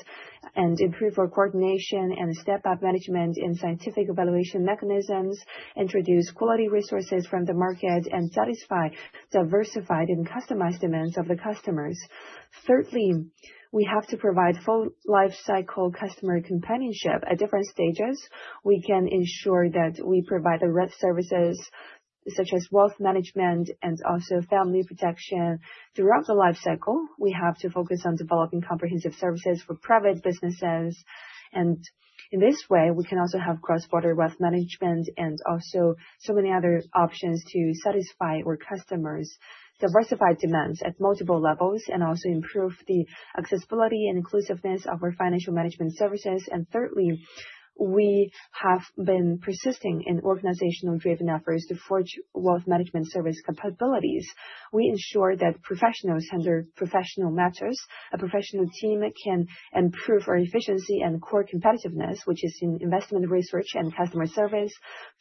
and improve our coordination and step up management in scientific evaluation mechanisms, introduce quality resources from the market, and satisfy diversified and customized demands of the customers. Thirdly, we have to provide full life cycle customer companionship. At different stages, we can ensure that we provide the right services such as wealth management and also family protection throughout the life cycle. We have to focus on developing comprehensive services for private businesses, and in this way, we can also have cross-border wealth management and also so many other options to satisfy our customers' diversified demands at multiple levels and also improve the accessibility and inclusiveness of our financial management services. Thirdly, we have been persisting in organizational-driven efforts to forge wealth management service capabilities. We ensure that professionals handle professional matters. A professional team can improve our efficiency and core competitiveness, which is in investment research and customer service.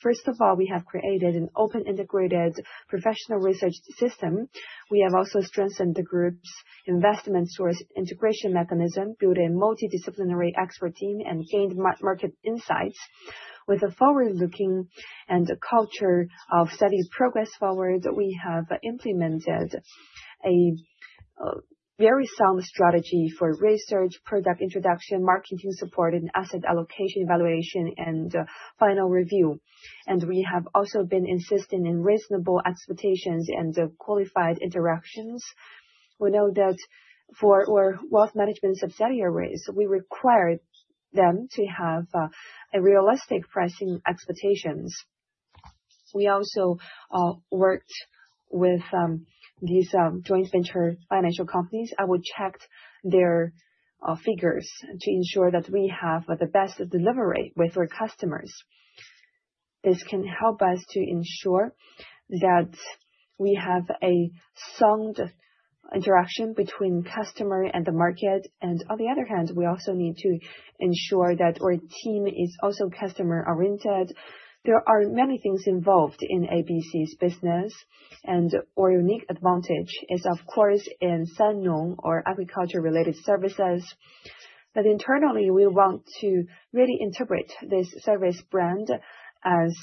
First of all, we have created an open integrated professional research system. We have also strengthened the group's investment source integration mechanism, built a multidisciplinary expert team, and gained market insights. With a forward-looking and a culture of steady progress forward, we have implemented a very sound strategy for research, product introduction, marketing support, and asset allocation evaluation, and final review. We have also been insisting in reasonable expectations and qualified interactions. We know that for our wealth management subsidiaries, we require them to have a realistic pricing expectations. We also worked with these joint venture financial companies and we checked their figures to ensure that we have the best delivery with our customers. This can help us to ensure that we have a sound interaction between customer and the market. On the other hand, we also need to ensure that our team is also customer-oriented. There are many things involved in ABC's business, and our unique advantage is of course in Sannong or agriculture-related services. Internally, we want to really integrate this service brand as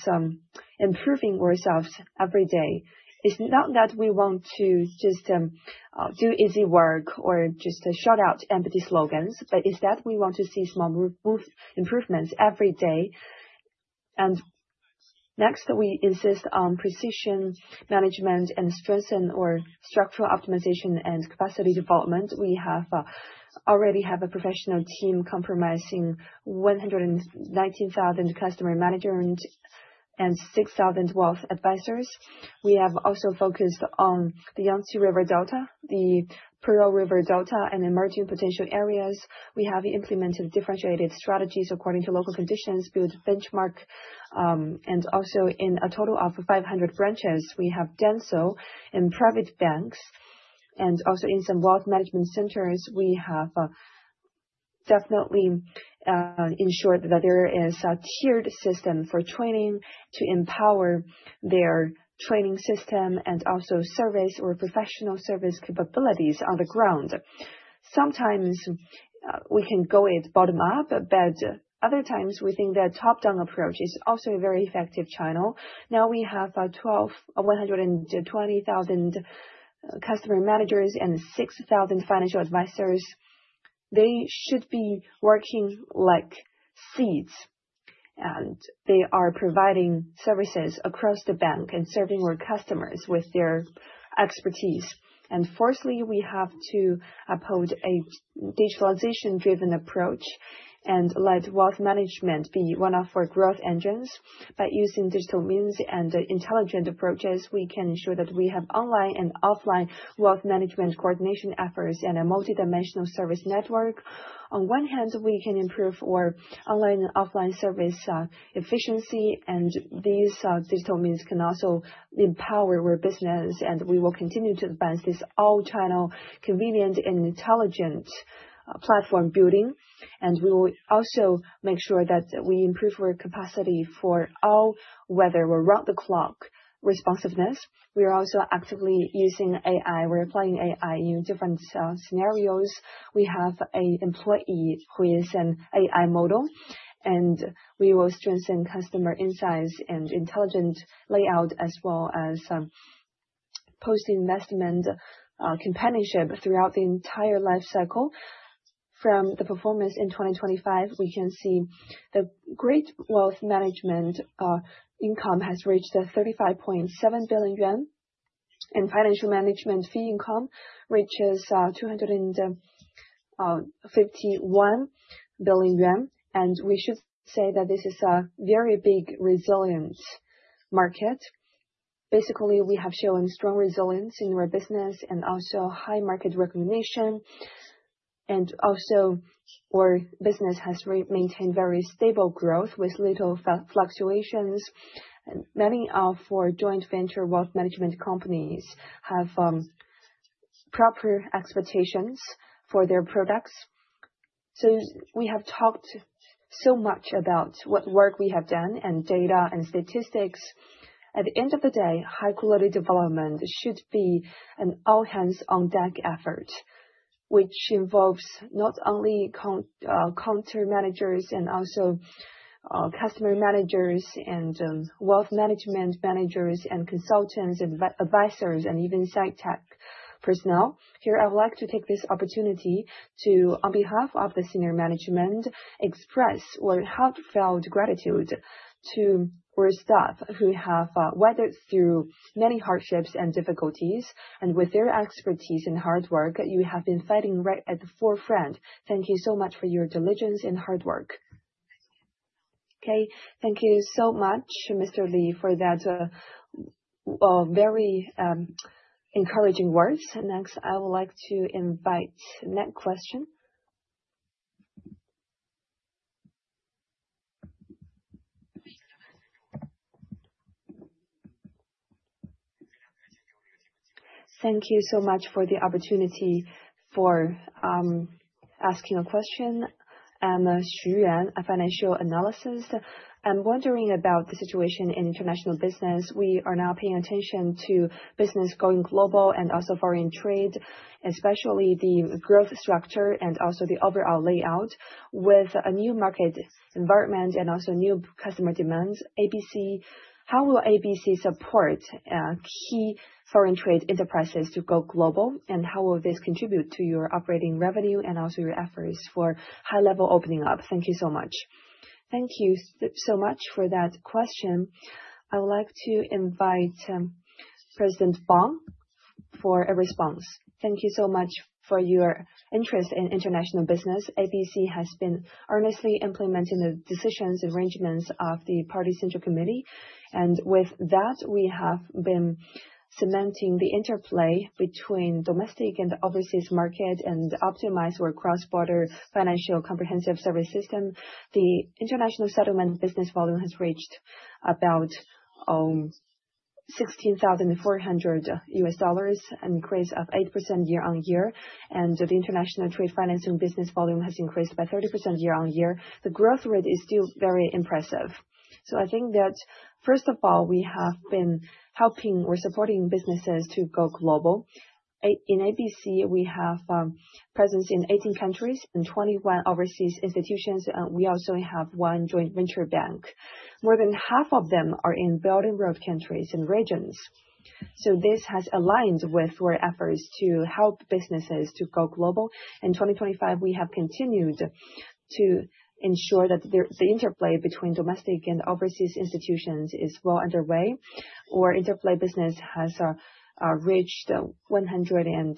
improving ourselves every day. It's not that we want to just do easy work or just shout out empty slogans, but we want to see small improvements every day. Next, we insist on precision management and strengthen our structural optimization and capacity development. We already have a professional team comprising 119,000 customer managers and 6,000 wealth advisors. We have also focused on the Yangtze River Delta, the Pearl River Delta, and emerging potential areas. We have implemented differentiated strategies according to local conditions with Benchmark and also in a total of 500 branches we have done so in private banks. Also in some wealth management centers, we have definitely ensured that there is a tiered system for training to empower their training system and also service or professional service capabilities on the ground. Sometimes, we can go with bottom up, but other times we think that top-down approach is also a very effective channel. Now we have 120,000 customer managers and 6,000 financial advisors. They should be working like seeds, and they are providing services across the bank and serving our customers with their expertise. Fourthly, we have to uphold a digitalization-driven approach and let wealth management be one of our growth engines. By using digital means and intelligent approaches, we can ensure that we have online and offline wealth management coordination efforts in a multidimensional service network. On one hand, we can improve our online and offline service efficiency, and these digital means can also empower our business, and we will continue to advance this all channel convenient and intelligent platform building. We will also make sure that we improve our capacity for all weather or round-the-clock responsiveness. We are also actively using AI. We're applying AI in different scenarios. We have an employee who is an AI model, and we will strengthen customer insights and intelligent layout as well as post-investment companionship throughout the entire life cycle. From the performance in 2025, we can see the great wealth management income has reached 35.7 billion yuan, and financial management fee income reaches 251 billion yuan. We should say that this is a very big resilience market. Basically, we have shown strong resilience in our business and also high market recognition. Our business has remained very stable growth with little fluctuations. Many of our joint venture wealth management companies have Proper expectations for their products. We have talked so much about what work we have done and data and statistics. At the end of the day, high quality development should be an all-hands on deck effort, which involves not only counter managers and also customer managers and wealth management managers and consultants, advisors, and even site tech personnel. Here, I would like to take this opportunity to, on behalf of the senior management, express our heartfelt gratitude to our staff who have weathered through many hardships and difficulties, and with their expertise and hard work, you have been fighting right at the forefront. Thank you so much for your diligence and hard work. Okay, thank you so much, Lin Li, for that very encouraging words. Next, I would like to invite next question. Thank you so much for the opportunity for asking a question. I'm [Xu Yuan], a financial analyst. I'm wondering about the situation in international business. We are now paying attention to business going global and also foreign trade, especially the growth structure and also the overall layout. With a new market environment and also new customer demands, ABC. How will ABC support key foreign trade enterprises to go global? And how will this contribute to your operating revenue and also your efforts for high-level opening up? Thank you so much. Thank you so much for that question. I would like to invite President Wang for a response. Thank you so much for your interest in international business. ABC has been earnestly implementing the decisions, arrangements of the Party Central Committee. With that, we have been cementing the interplay between domestic and overseas market and optimize our cross-border financial comprehensive service system. The international settlement business volume has reached about $16,400, an increase of 8% year-on-year. The international trade financing business volume has increased by 30% year-on-year. The growth rate is still very impressive. I think that, first of all, we have been helping or supporting businesses to go global. In ABC, we have presence in 18 countries and 21 overseas institutions. We also have one joint venture bank. More than half of them are in Belt and Road countries and regions. This has aligned with our efforts to help businesses to go global. In 2025, we have continued to ensure that the interplay business has reached $118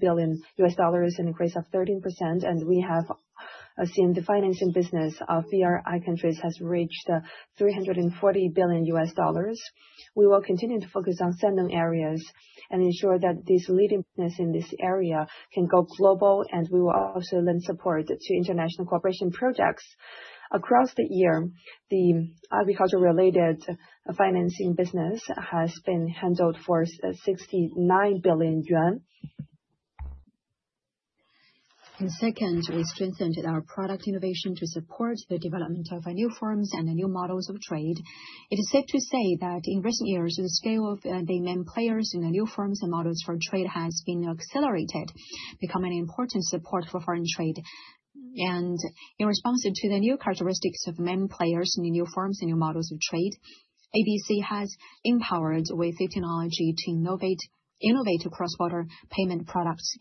billion, an increase of 13%. We have seen the financing business of BRI countries has reached $340 billion. We will continue to focus on certain areas and ensure that this leading business in this area can go global, and we will also lend support to international cooperation projects. Across the year, the agriculture related financing business has been handled for 69 billion yuan. Second, we strengthened our product innovation to support the development of new forms and the new models of trade. It is safe to say that in recent years, the scale of the main players in the new forms and models for trade has been accelerated, become an important support for foreign trade. In response to the new characteristics of main players in the new forms and new models of trade, ABC has empowered with technology to innovate cross-border payment products.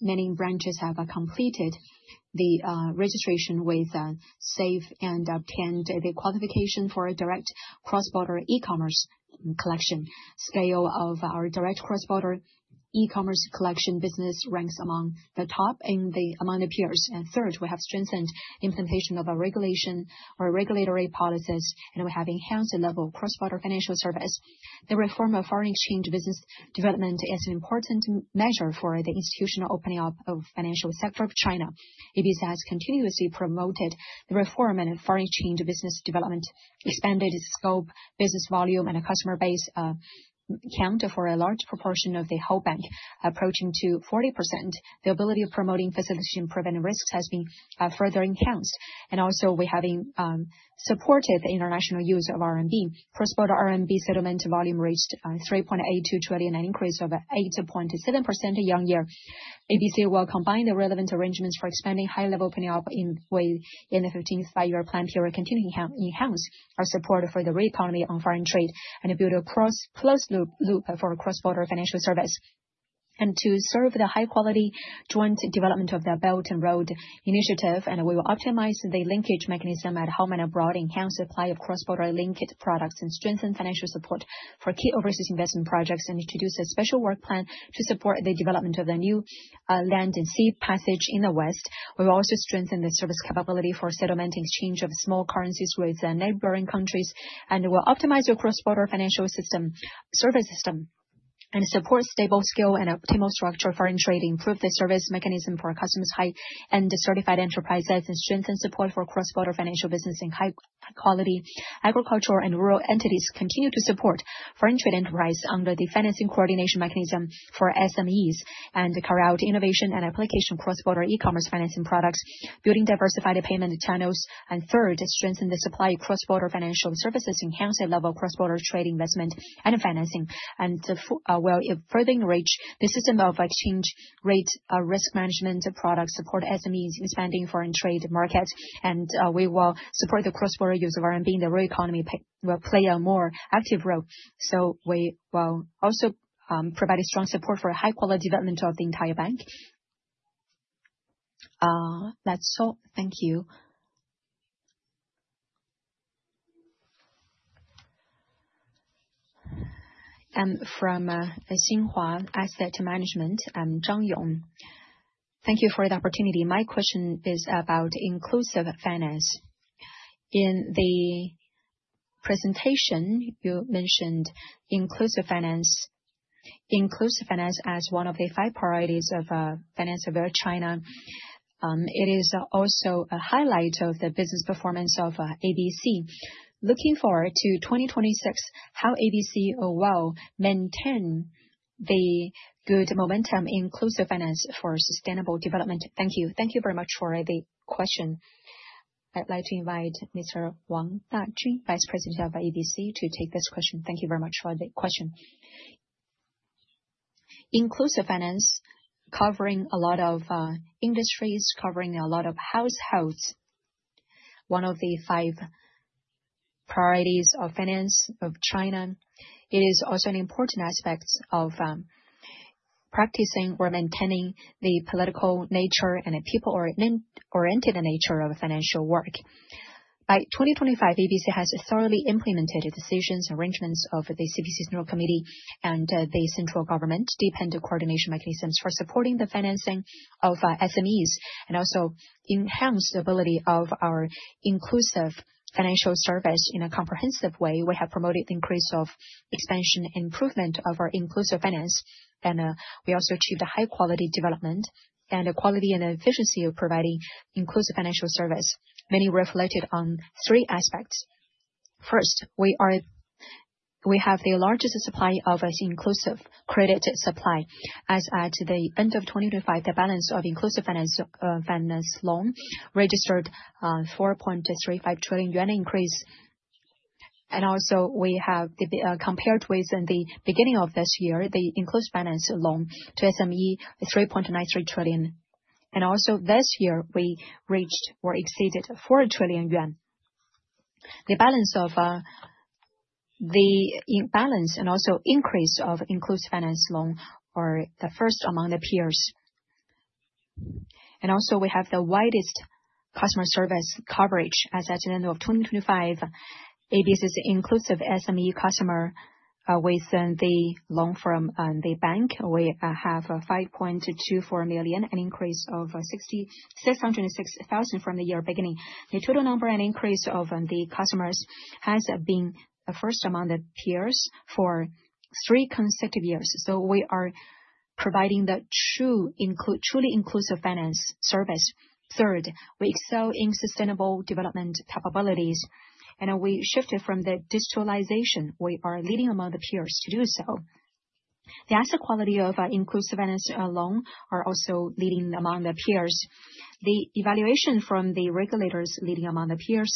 Many branches have completed the registration with SAFE and obtained the qualification for a direct cross-border e-commerce collection. Scale of our direct cross-border e-commerce collection business ranks among the top among the peers. Third, we have strengthened implementation of a regulation or regulatory policies, and we have enhanced the level of cross-border financial service. The reform of foreign exchange business development is an important measure for the institutional opening up of financial sector of China. ABC has continuously promoted the reform in foreign exchange business development, expanded its scope, business volume, and a customer base, account for a large proportion of the whole bank, approaching 40%. The ability of promoting facilitation and preventing risks has been further enhanced. We have supported the international use of RMB. Cross-border RMB settlement volume reached 3.82 trillion, an increase over 8.7% year-on-year. ABC will combine the relevant arrangements for expanding high-level opening up during the 15th Five-Year Plan period, continuing to enhance our support for the real economy on foreign trade and build a closed loop for cross-border financial service. To serve the high-quality joint development of the Belt and Road Initiative, we will optimize the linkage mechanism at home and abroad, enhance supply of cross-border linkage products, and strengthen financial support for key overseas investment projects, and introduce a special work plan to support the development of the new land and sea passage in the West. We will also strengthen the service capability for settlement exchange of small currencies with the neighboring countries, and we'll optimize our cross-border financial system, service system, and support stable scale and optimal structure foreign trade, improve the service mechanism for our customers, high-end certified enterprises, and strengthen support for cross-border financial business in high-quality agricultural and rural entities, continue to support foreign trade enterprises under the financing coordination mechanism for SMEs, and carry out innovation and application cross-border e-commerce financing products, building diversified payment channels. Third, strengthen the supply of cross-border financial services, enhance the level of cross-border trade investment and financing. We're furthering the reach of the system of exchange rate risk management products, supporting SMEs expanding foreign trade market. We will support the cross-border use of RMB in the real economy to play a more active role. We will also provide strong support for high-quality development of the entire bank. That's all. Thank you. From the Xinhua Asset Management, I'm Zhang Yong. Thank you for the opportunity. My question is about inclusive finance. In the presentation, you mentioned inclusive finance as one of the five priorities of finance of China. It is also a highlight of the business performance of ABC. Looking forward to 2026, how ABC will maintain the good momentum in inclusive finance for sustainable development. Thank you. Thank you very much for the question. I'd like to invite Mr. Wang Zhiheng, Vice President of ABC, to take this question. Thank you very much for the question. Inclusive finance, covering a lot of industries, covering a lot of households, one of the five priorities of finance of China. It is also an important aspect of practicing or maintaining the political nature and a people-oriented nature of financial work. By 2025, ABC has thoroughly implemented the decisions, arrangements of the CPC Central Committee and the central government, deepened the coordination mechanisms for supporting the financing of SMEs, and also enhanced the ability of our inclusive financial service in a comprehensive way. We have promoted the increase, expansion, and improvement of our inclusive finance. We also achieved a high quality development and the quality and efficiency of providing inclusive financial service, mainly reflected on three aspects. First, we have the largest supply of inclusive credit supply. As at the end of 2025, the balance of inclusive finance loan registered CNY 4.35 trillion increase. Compared with the beginning of this year, the inclusive finance loan to SME is 3.93 trillion. This year, we reached or exceeded 4 trillion yuan. The balance of the balance and also increase of inclusive finance loan are the first among the peers. We have the widest customer service coverage. As at the end of 2025, ABC's inclusive SME customer with the loan from the bank, we have 5.24 million, an increase of 606,000 from the year beginning. The total number and increase of the customers has been first among the peers for three consecutive years. We are providing the truly inclusive finance service. Third, we excel in sustainable development capabilities, and we shifted from the digitalization. We are leading among the peers to do so. The asset quality of inclusive finance loan are also leading among the peers. The evaluation from the regulators leading among the peers.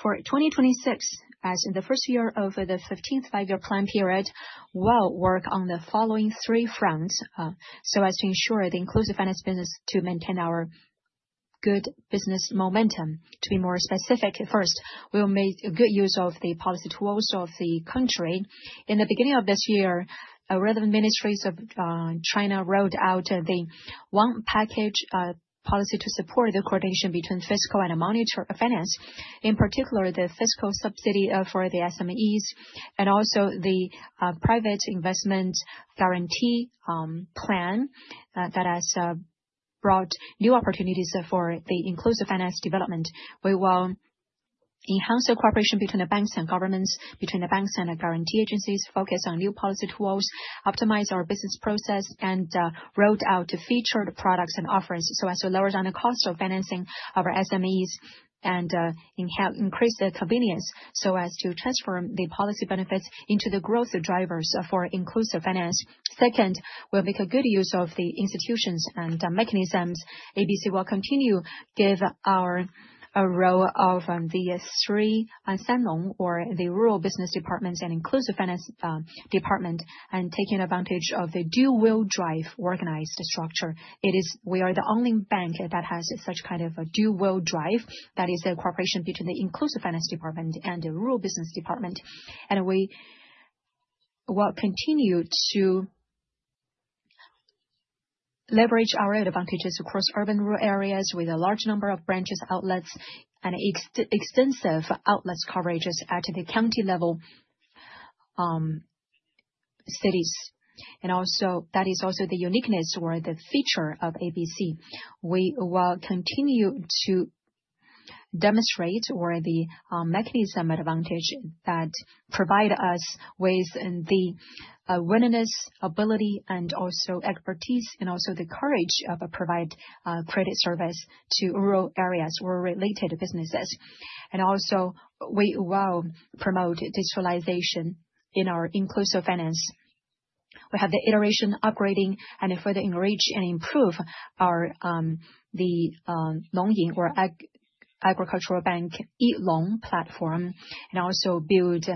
For 2026, as in the first year of the 15th five-year plan period, we'll work on the following three fronts, so as to ensure the inclusive finance business to maintain our good business momentum. To be more specific, first, we'll make good use of the policy tools of the country. In the beginning of this year, relevant ministries of China rolled out the one package policy to support the coordination between fiscal and monetary finance, in particular, the fiscal subsidy for the SMEs and also the private investment guarantee plan that has brought new opportunities for the inclusive finance development. We will enhance the cooperation between the banks and governments, between the banks and the guarantee agencies, focus on new policy tools, optimize our business process and roll out featured products and offerings so as to lower down the cost of financing of our SMEs and increase the convenience so as to transform the policy benefits into the growth drivers for inclusive finance. Second, we'll make a good use of the institutions and mechanisms. ABC will continue to give our role of the three on Sannong or the rural business departments and inclusive finance department and taking advantage of the dual wheel drive organizational structure. We are the only bank that has such kind of a dual wheel drive. That is a cooperation between the inclusive finance department and the rural business department. We will continue to leverage our advantages across urban rural areas with a large number of branches, outlets and extensive outlets coverages at the county level, cities. Also, that is also the uniqueness or the feature of ABC. We will continue to demonstrate our mechanism advantage that provide us with the willingness, ability and also expertise and also the courage to provide credit service to rural areas or related businesses. We will promote digitalization. In our inclusive finance, we have the iteration upgrading and further enrich and improve our Nong Yin e-loan platform, and also build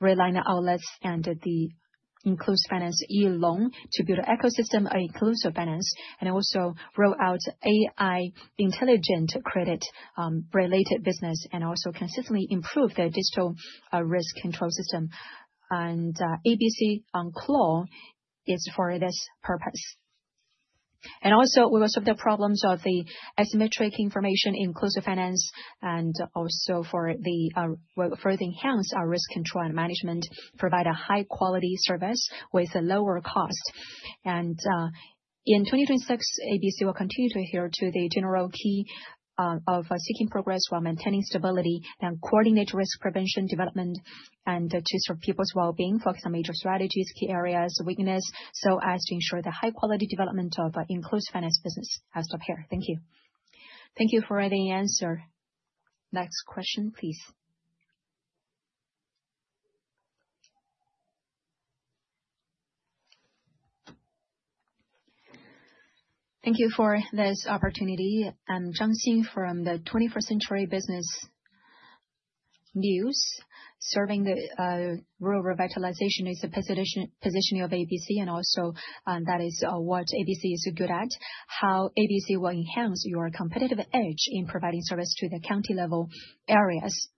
rural outlets and the inclusive finance e-loan to build an ecosystem of inclusive finance, and also roll out AI intelligent credit related business and also consistently improve the digital risk control system. ABC-Claw is for this purpose. We will solve the problems of the asymmetric information in inclusive finance and also we'll further enhance our risk control and management, provide a high quality service with a lower cost. In 2026, ABC will continue to adhere to the general keynote of seeking progress while maintaining stability and coordinate risk prevention, development, and to serve people's wellbeing, focus on major strategies, key areas, weakness, so as to ensure the high-quality development of inclusive finance business. I stop here. Thank you. Thank you for the answer. Next question, please. Thank you for this opportunity. I'm Jiang Xing from the 21st Century Business News. Serving the rural revitalization is a positioning of ABC and also, that is, what ABC is good at. How ABC will enhance your competitive edge in providing service to the county-level areas.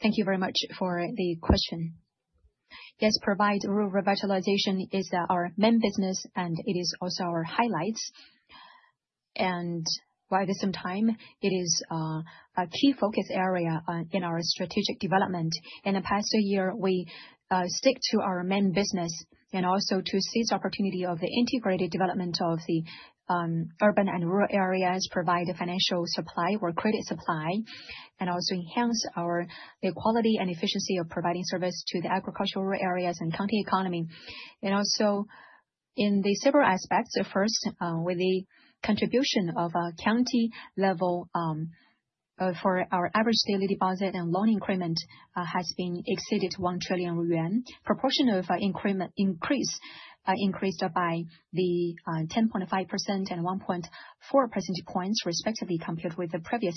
Thank you very much for the question. Yes, providing rural revitalization is our main business, and it is also our highlights. For quite some time, it is a key focus area in our strategic development. In the past year, we stick to our main business and also to seize the opportunity of the urban and rural areas, provide a financial supply or credit supply, and also enhance the quality and efficiency of providing service to the agricultural areas and county economy. In the several aspects, first, with the contribution of a county-level, for our average daily deposit and loan increment has exceeded 1 trillion yuan. Proportion of increment increase increased by 10.5% and 1.4 percentage points, respectively, compared with the previous.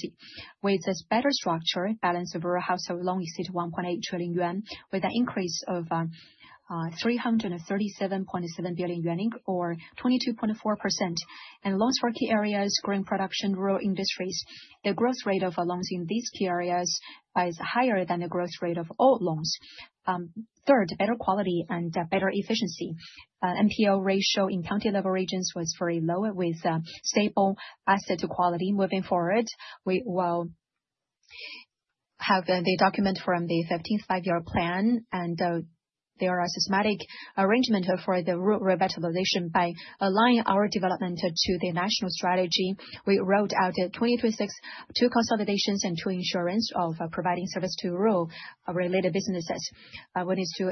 With this better structure, balance of rural household loan exceeded 1.8 trillion yuan with an increase of 337.7 billion yuan or 22.4%. In loans for key areas, growing production, rural industries, the growth rate of loans in these key areas is higher than the growth rate of all loans. Third, better quality and better efficiency. NPL ratio in county-level regions was very low with stable asset quality. Moving forward, we will have the document from the 15th five-year plan, and there are systematic arrangement for the revitalization by aligning our development to the national strategy. We rolled out in 2026 two consolidations and two insurance of providing service to rural related businesses. One is to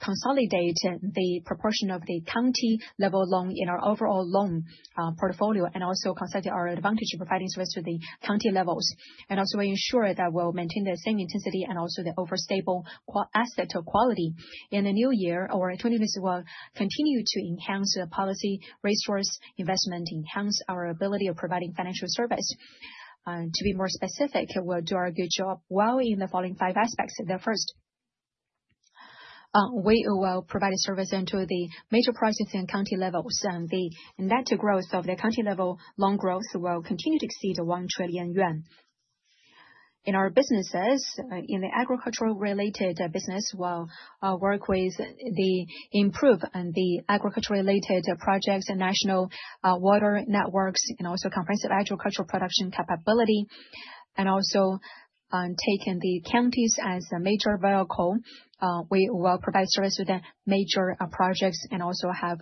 consolidate the proportion of the county-level loan in our overall loan portfolio, and also consider our advantage in providing service to the county-levels. Also ensure that we'll maintain the same intensity and also the overall stable asset quality. In the new year, our CNY 20 million, we'll continue to enhance the policy resource investment, enhance our ability of providing financial service. To be more specific, we'll do our good job well in the following five aspects. The first, we will provide service to the major projects in county-levels. The net growth of the county-level loan growth will continue to exceed 1 trillion yuan. In our businesses, in the agricultural-related business, we'll work ways to improve the agricultural-related projects and national water networks and also comprehensive agricultural production capability. Taking the counties as a major vehicle, we will provide service to the major projects and also have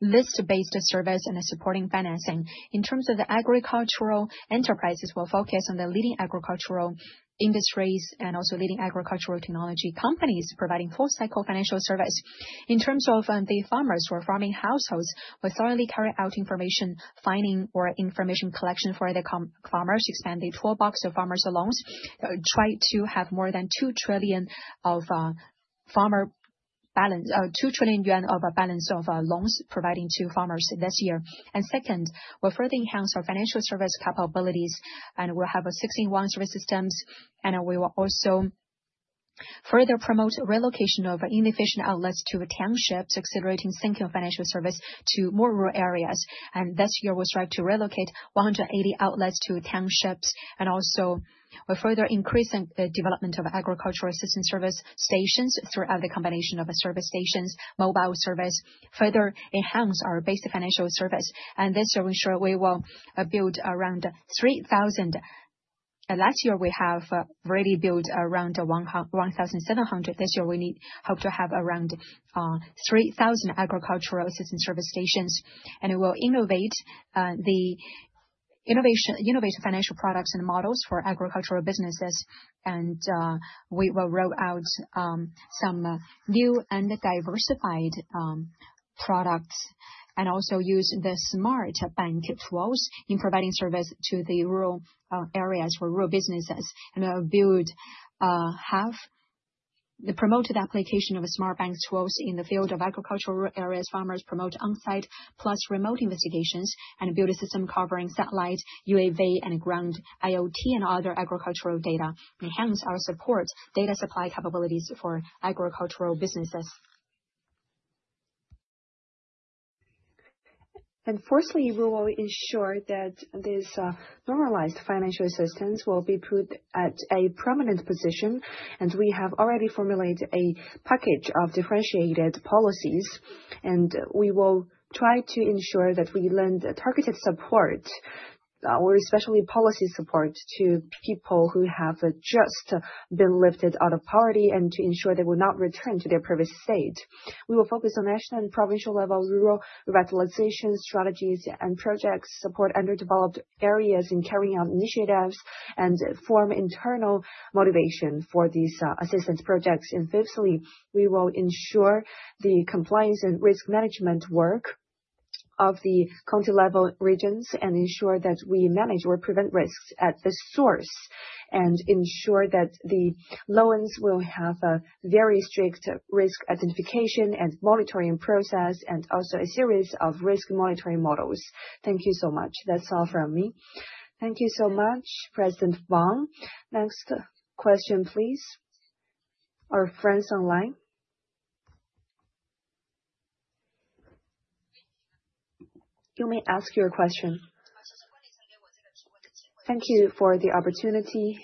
list-based service and supporting financing. In terms of the agricultural enterprises, we'll focus on the leading agricultural industries and also leading agricultural technology companies providing full cycle financial service. In terms of the farmers who are farming households, we thoroughly carry out information finding or information collection for the co-farmers. Expand the tool box to farmers loans. Try to have more than 2 trillion of balance of loans providing to farmers this year. Second, we'll further enhance our financial service capabilities, and we'll have a six-in-one service system. We will also further promote relocation of inefficient outlets to townships, accelerating sinking financial service to more rural areas. This year, we'll strive to relocate 180 outlets to townships and also further increase in the development of agricultural assistance service stations throughout the combination of service stations, mobile service, further enhance our basic financial service. This year, we ensure we will build around 3,000. Last year we have really built around 1,700. This year we hope to have around 3,000 agricultural assistance service stations. We will innovate innovative financial products and models for agricultural businesses. We will roll out some new and diversified financial products, and also use the smart bank tools in providing service to the rural areas for rural businesses, and have the promoted application of a smart bank tools in the field of agricultural areas. Farmers promote on-site plus remote investigations, and build a system covering satellite, UAV, and ground IoT and other agricultural data, enhance our support data supply capabilities for agricultural businesses. First, we will ensure that this normalized financial assistance will be put at a prominent position, and we have already formulated a package of differentiated policies. We will try to ensure that we lend targeted support, or especially policy support to people who have just been lifted out of poverty, and to ensure they will not return to their previous state. We will focus on national and provincial level rural revitalization strategies and projects, support underdeveloped areas in carrying out initiatives and form internal motivation for these assistance projects. Fifth, we will ensure the compliance and risk management work of the county-level regions, and ensure that we manage or prevent risks at the source, ensure that the loans will have a very strict risk identification and monitoring process, and also a series of risk monitoring models. Thank you so much. That's all from me. Thank you so much, President Wang. Next question, please. Our friends online. You may ask your question. Thank you for the opportunity.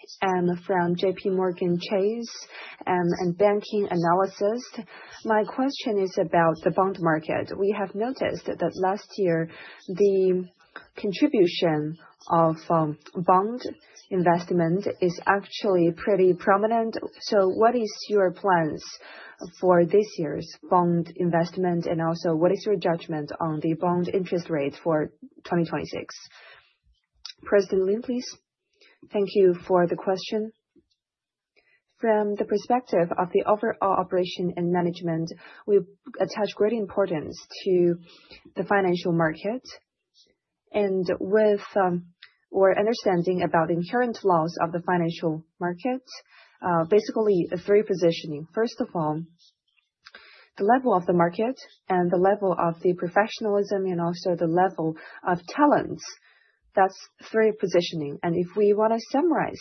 From JPMorganChase and banking analyst. My question is about the bond market. We have noticed that last year, the contribution of bond investment is actually pretty prominent. So what is your plans for this year's bond investment, and also what is your judgment on the bond interest rates for 2026? President Lin, please. Thank you for the question. From the perspective of the overall operation and management, we attach great importance to the financial market. With our understanding about the inherent laws of the financial market, basically the three positioning. First of all, the level of the market and the level of the professionalism, and also the level of talents. That's three positioning. If we wanna summarize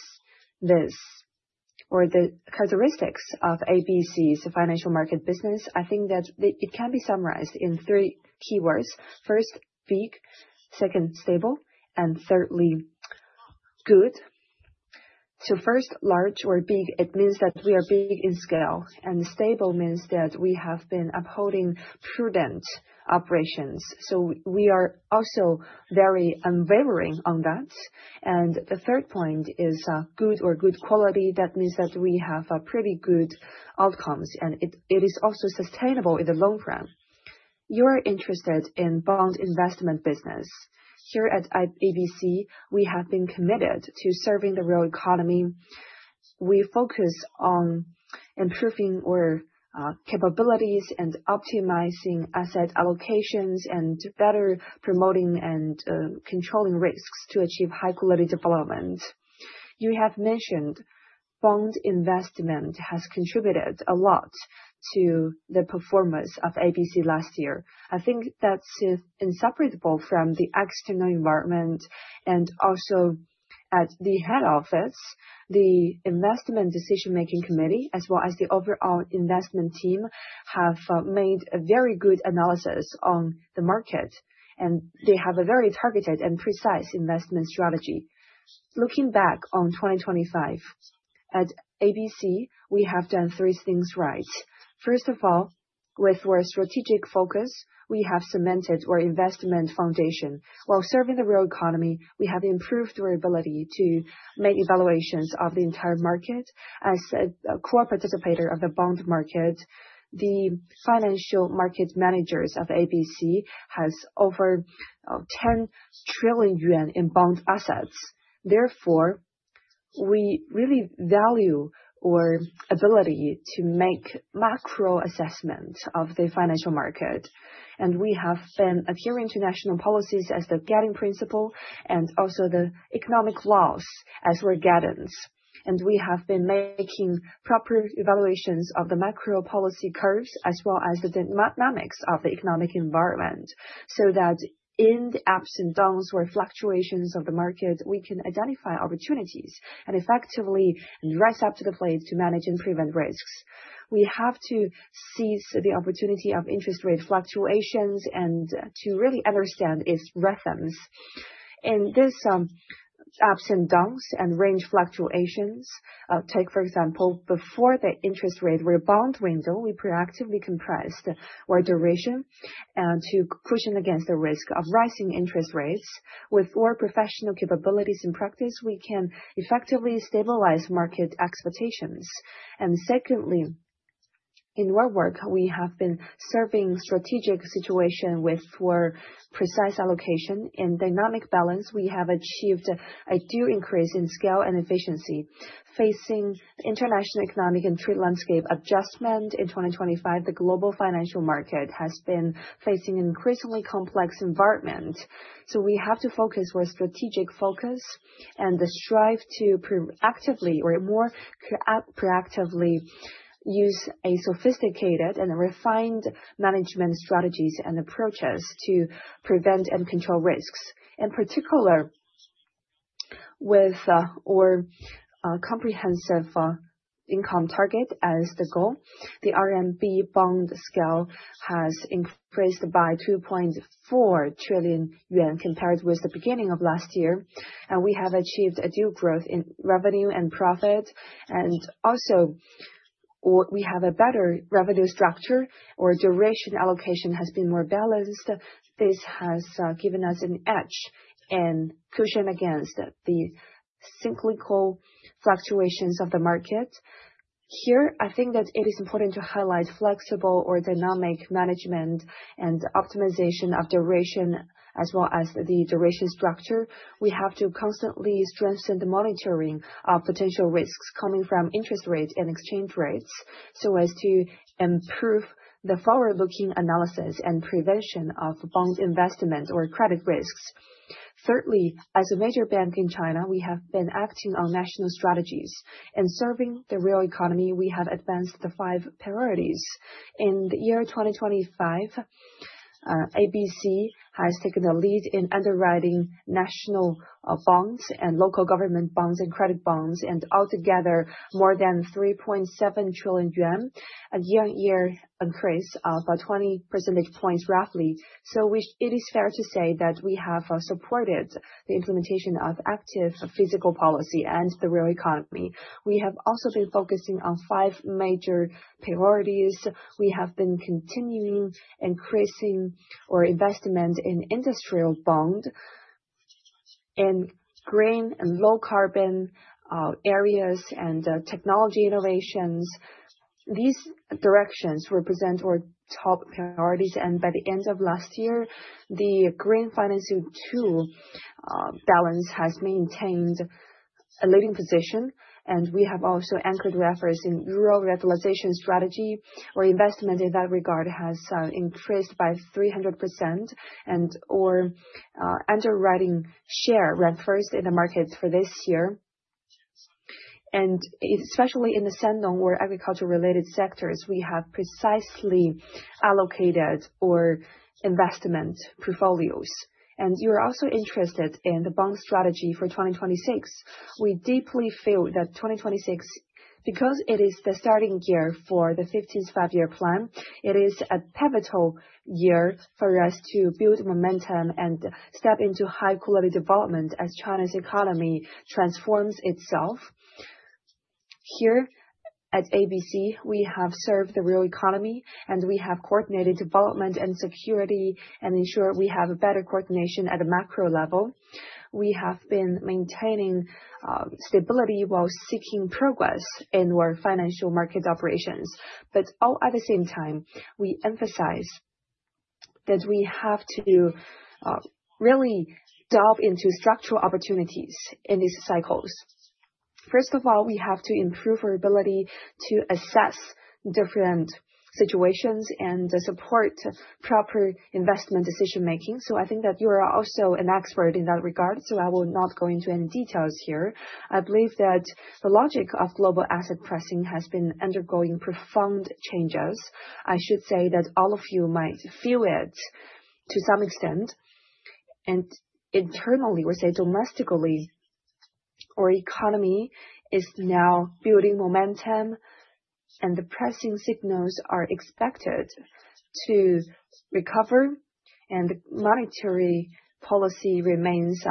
this, or the characteristics of ABC's financial market business, I think that it can be summarized in three keywords. First, big. Second, stable. Thirdly, good. First, large or big, it means that we are big in scale, and stable means that we have been upholding prudent operations. We are also very unwavering on that. The third point is, good or good quality. That means that we have pretty good outcomes, and it is also sustainable in the long run. You are interested in bond investment business. Here at ABC, we have been committed to serving the real economy. We focus on improving our capabilities and optimizing asset allocations, and better promoting and controlling risks to achieve high quality development. You have mentioned bond investment has contributed a lot to the performance of ABC last year. I think that's inseparable from the external environment. Also at the head office, the investment decision-making committee, as well as the overall investment team, have made a very good analysis on the market, and they have a very targeted and precise investment strategy. Looking back on 2025, at ABC, we have done three things right. First of all, with our strategic focus, we have cemented our investment foundation. While serving the real economy, we have improved our ability to make evaluations of the entire market. As a core participant of the bond market, the financial market managers of ABC has over 10 trillion yuan in bond assets. Therefore, we really value our ability to make macro assessments of the financial market. We have been adhering to national policies as the guiding principle and also the economic laws as our guidance. We have been making proper evaluations of the macro policy curves, as well as the dynamics of the economic environment, so that in the ups and downs or fluctuations of the market, we can identify opportunities and effectively rise up to the plate to manage and prevent risks. We have to seize the opportunity of interest rate fluctuations and to really understand its rhythms. In this, ups and downs and range fluctuations, take for example, before the interest rate or bond window, we proactively compressed our duration and to cushion against the risk of rising interest rates. With our professional capabilities and practice, we can effectively stabilize market expectations. Secondly, in our work, we have been serving strategic situation with our precise allocation. In dynamic balance, we have achieved a due increase in scale and efficiency. Facing international economic and trade landscape adjustment in 2025, the global financial market has been facing an increasingly complex environment. We have to focus our strategic focus and strive to proactively use a sophisticated and refined management strategies and approaches to prevent and control risks, in particular with our comprehensive income target as the goal. The RMB bond scale has increased by 2.4 trillion yuan compared with the beginning of last year. We have achieved a solid growth in revenue and profit. We have a better revenue structure. Our duration allocation has been more balanced. This has given us an edge and cushion against the cyclical fluctuations of the market. Here, I think that it is important to highlight flexible or dynamic management and optimization of duration as well as the duration structure. We have to constantly strengthen the monitoring of potential risks coming from interest rates and exchange rates, so as to improve the forward-looking analysis and prevention of bond investment or credit risks. Thirdly, as a major bank in China, we have been acting on national strategies and serving the real economy. We have advanced the five priorities. In the year 2025, ABC has taken the lead in underwriting national bonds and local government bonds and credit bonds, and altogether more than 3.7 trillion yuan, a year-on-year increase of 20 percentage points roughly. It is fair to say that we have supported the implementation of active fiscal policy and the real economy. We have also been focusing on five major priorities. We have been continuing increasing our investment in industrial bond in green and low carbon areas and technology innovations. These directions represent our top priorities. By the end of last year, the green financing tool balance has maintained a leading position. We have also anchored efforts in rural revitalization strategy, where investment in that regard has increased by 300% and our underwriting share ranked first in the market for this year. Especially in the Sannong, where agriculture related sectors, we have precisely allocated our investment portfolios. You are also interested in the bond strategy for 2026. We deeply feel that 2026, because it is the starting year for the 15th five-year plan, it is a pivotal year for us to build momentum and step into high quality development as China's economy transforms itself. Here at ABC, we have served the real economy, and we have coordinated development and security and ensure we have a better coordination at a macro level. We have been maintaining stability while seeking progress in our financial markets operations. All at the same time, we emphasize that we have to really delve into structural opportunities in these cycles. First of all, we have to improve our ability to assess different situations and support proper investment decision making. I think that you are also an expert in that regard, so I will not go into any details here. I believe that the logic of global asset pricing has been undergoing profound changes. I should say that all of you might feel it to some extent. Internally or say domestically, our economy is now building momentum, and the pricing signals are expected to recover, and monetary policy remains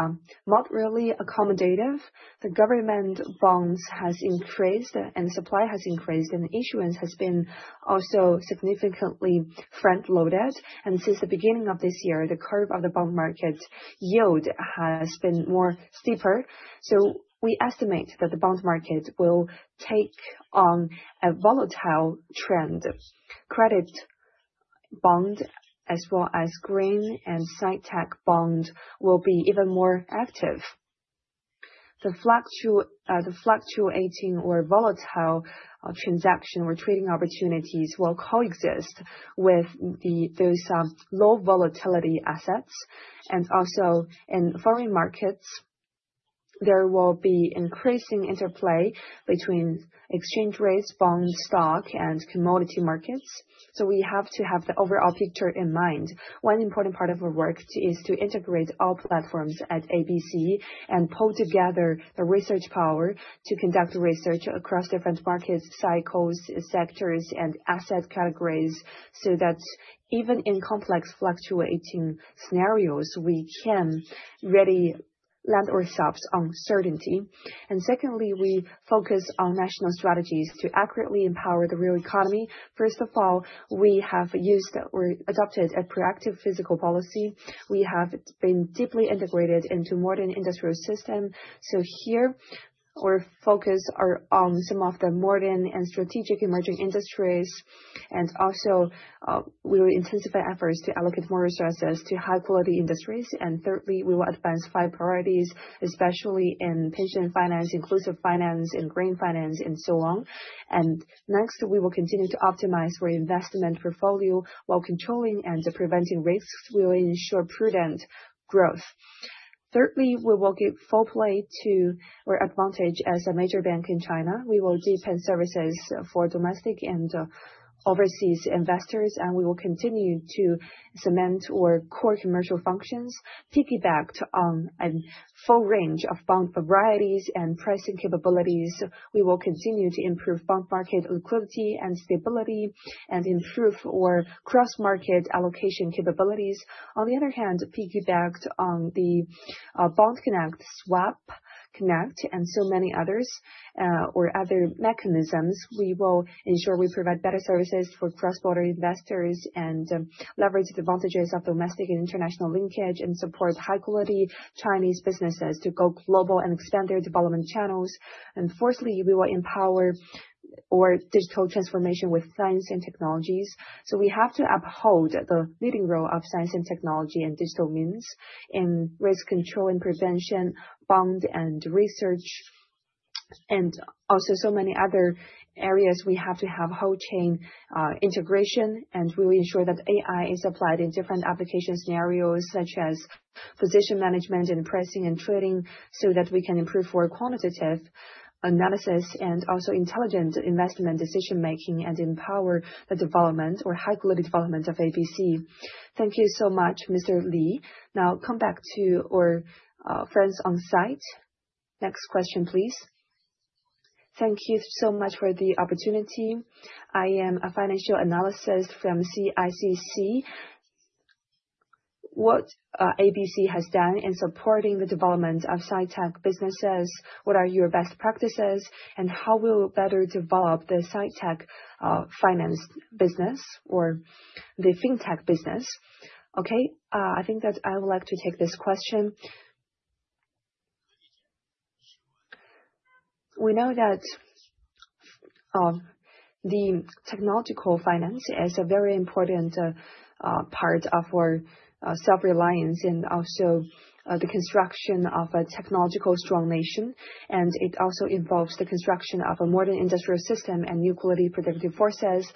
not really accommodative. The government bonds has increased and supply has increased, and issuance has been also significantly front-loaded. Since the beginning of this year, the curve of the bond market yield has been more steeper. We estimate that the bond market will take on a volatile trend. Credit bond as well as green and ESG tech bond will be even more active. The fluctuating or volatile transaction or trading opportunities will coexist with those low volatility assets. In foreign markets, there will be increasing interplay between exchange rates, bonds, stock, and commodity markets. We have to have the overall picture in mind. One important part of our work is to integrate all platforms at ABC and pull together the research power to conduct research across different markets, cycles, sectors and asset categories, so that even in complex fluctuating scenarios, we can really land ourselves on certainty. Secondly, we focus on national strategies to accurately empower the real economy. First of all, we have used or adopted a proactive fiscal policy. We have been deeply integrated into modern industrial system. Our focus are on some of the modern and strategic emerging industries, and also, we will intensify efforts to allocate more resources to high-quality industries. Thirdly, we will advance five priorities, especially in pension finance, inclusive finance, in green finance, and so on. Next, we will continue to optimize our investment portfolio while controlling and preventing risks. We will ensure prudent growth. Thirdly, we will give full play to our advantage as a major bank in China. We will deepen services for domestic and overseas investors, and we will continue to cement our core commercial functions. Piggybacked on a full range of bond varieties and pricing capabilities, we will continue to improve bond market liquidity and stability and improve our cross-market allocation capabilities. On the other hand, piggybacked on the Bond Connect, Swap Connect, and so many others or other mechanisms, we will ensure we provide better services for cross-border investors and leverage the advantages of domestic and international linkage and support high-quality Chinese businesses to go global and extend their development channels. Fourthly, we will empower our digital transformation with science and technologies. We have to uphold the leading role of science and technology and digital means in risk control and prevention, bond and research, and also so many other areas. We have to have whole chain integration, and we will ensure that AI is applied in different application scenarios, such as position management and pricing and trading, so that we can improve our quantitative analysis and also intelligent investment decision-making and empower the development or high-quality development of ABC. Thank you so much, Mr. Li. Now come back to our friends on site. Next question, please. Thank you so much for the opportunity. I am a financial analyst from CICC. What ABC has done in supporting the development of sci-tech businesses, what are your best practices, and how will you better develop the sci-tech finance business or the fintech business? I think that I would like to take this question. We know that the technological finance is a very important part of our self-reliance and also the construction of a technological strong nation. It also involves the construction of a modern industrial system and new quality productive forces.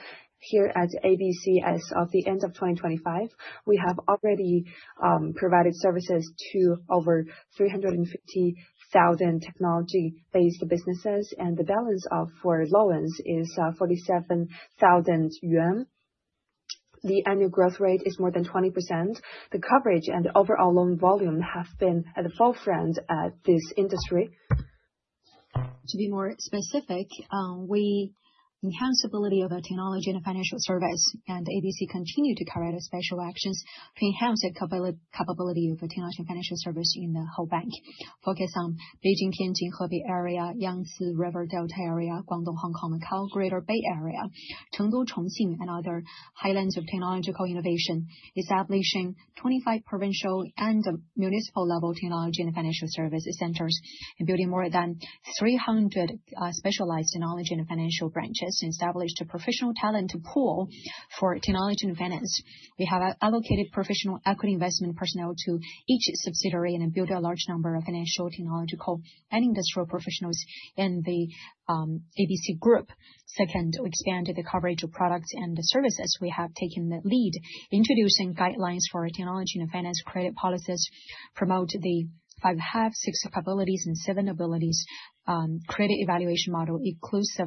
Here at ABC, as of the end of 2025, we have already provided services to over 350,000 technology-based businesses, and the balance of for loans is 47,000 yuan. The annual growth rate is more than 20%. The coverage and the overall loan volume have been at the forefront at this industry. To be more specific, we enhance ability of our technology and financial service, and ABC continue to carry out special actions to enhance the capability of technology and financial service in the whole bank. Focus on Beijing-Tianjin-Hebei area, Yangtze River Delta area, Guangdong-Hong Kong-Macao Greater Bay Area, Chengdu-Chongqing and other highlands of technological innovation, establishing 25 provincial and municipal level technology and financial service centers, and building more than 300 specialized technology and financial branches, established a professional talent pool for technology and finance. We have allocated professional equity investment personnel to each subsidiary and built a large number of financial, technological, and industrial professionals in the ABC group. Second, we expanded the coverage of products and the services. We have taken the lead, introducing guidelines for technology and finance credit policies, promote the five dimensions, six capabilities, and seven abilities credit evaluation model inclusive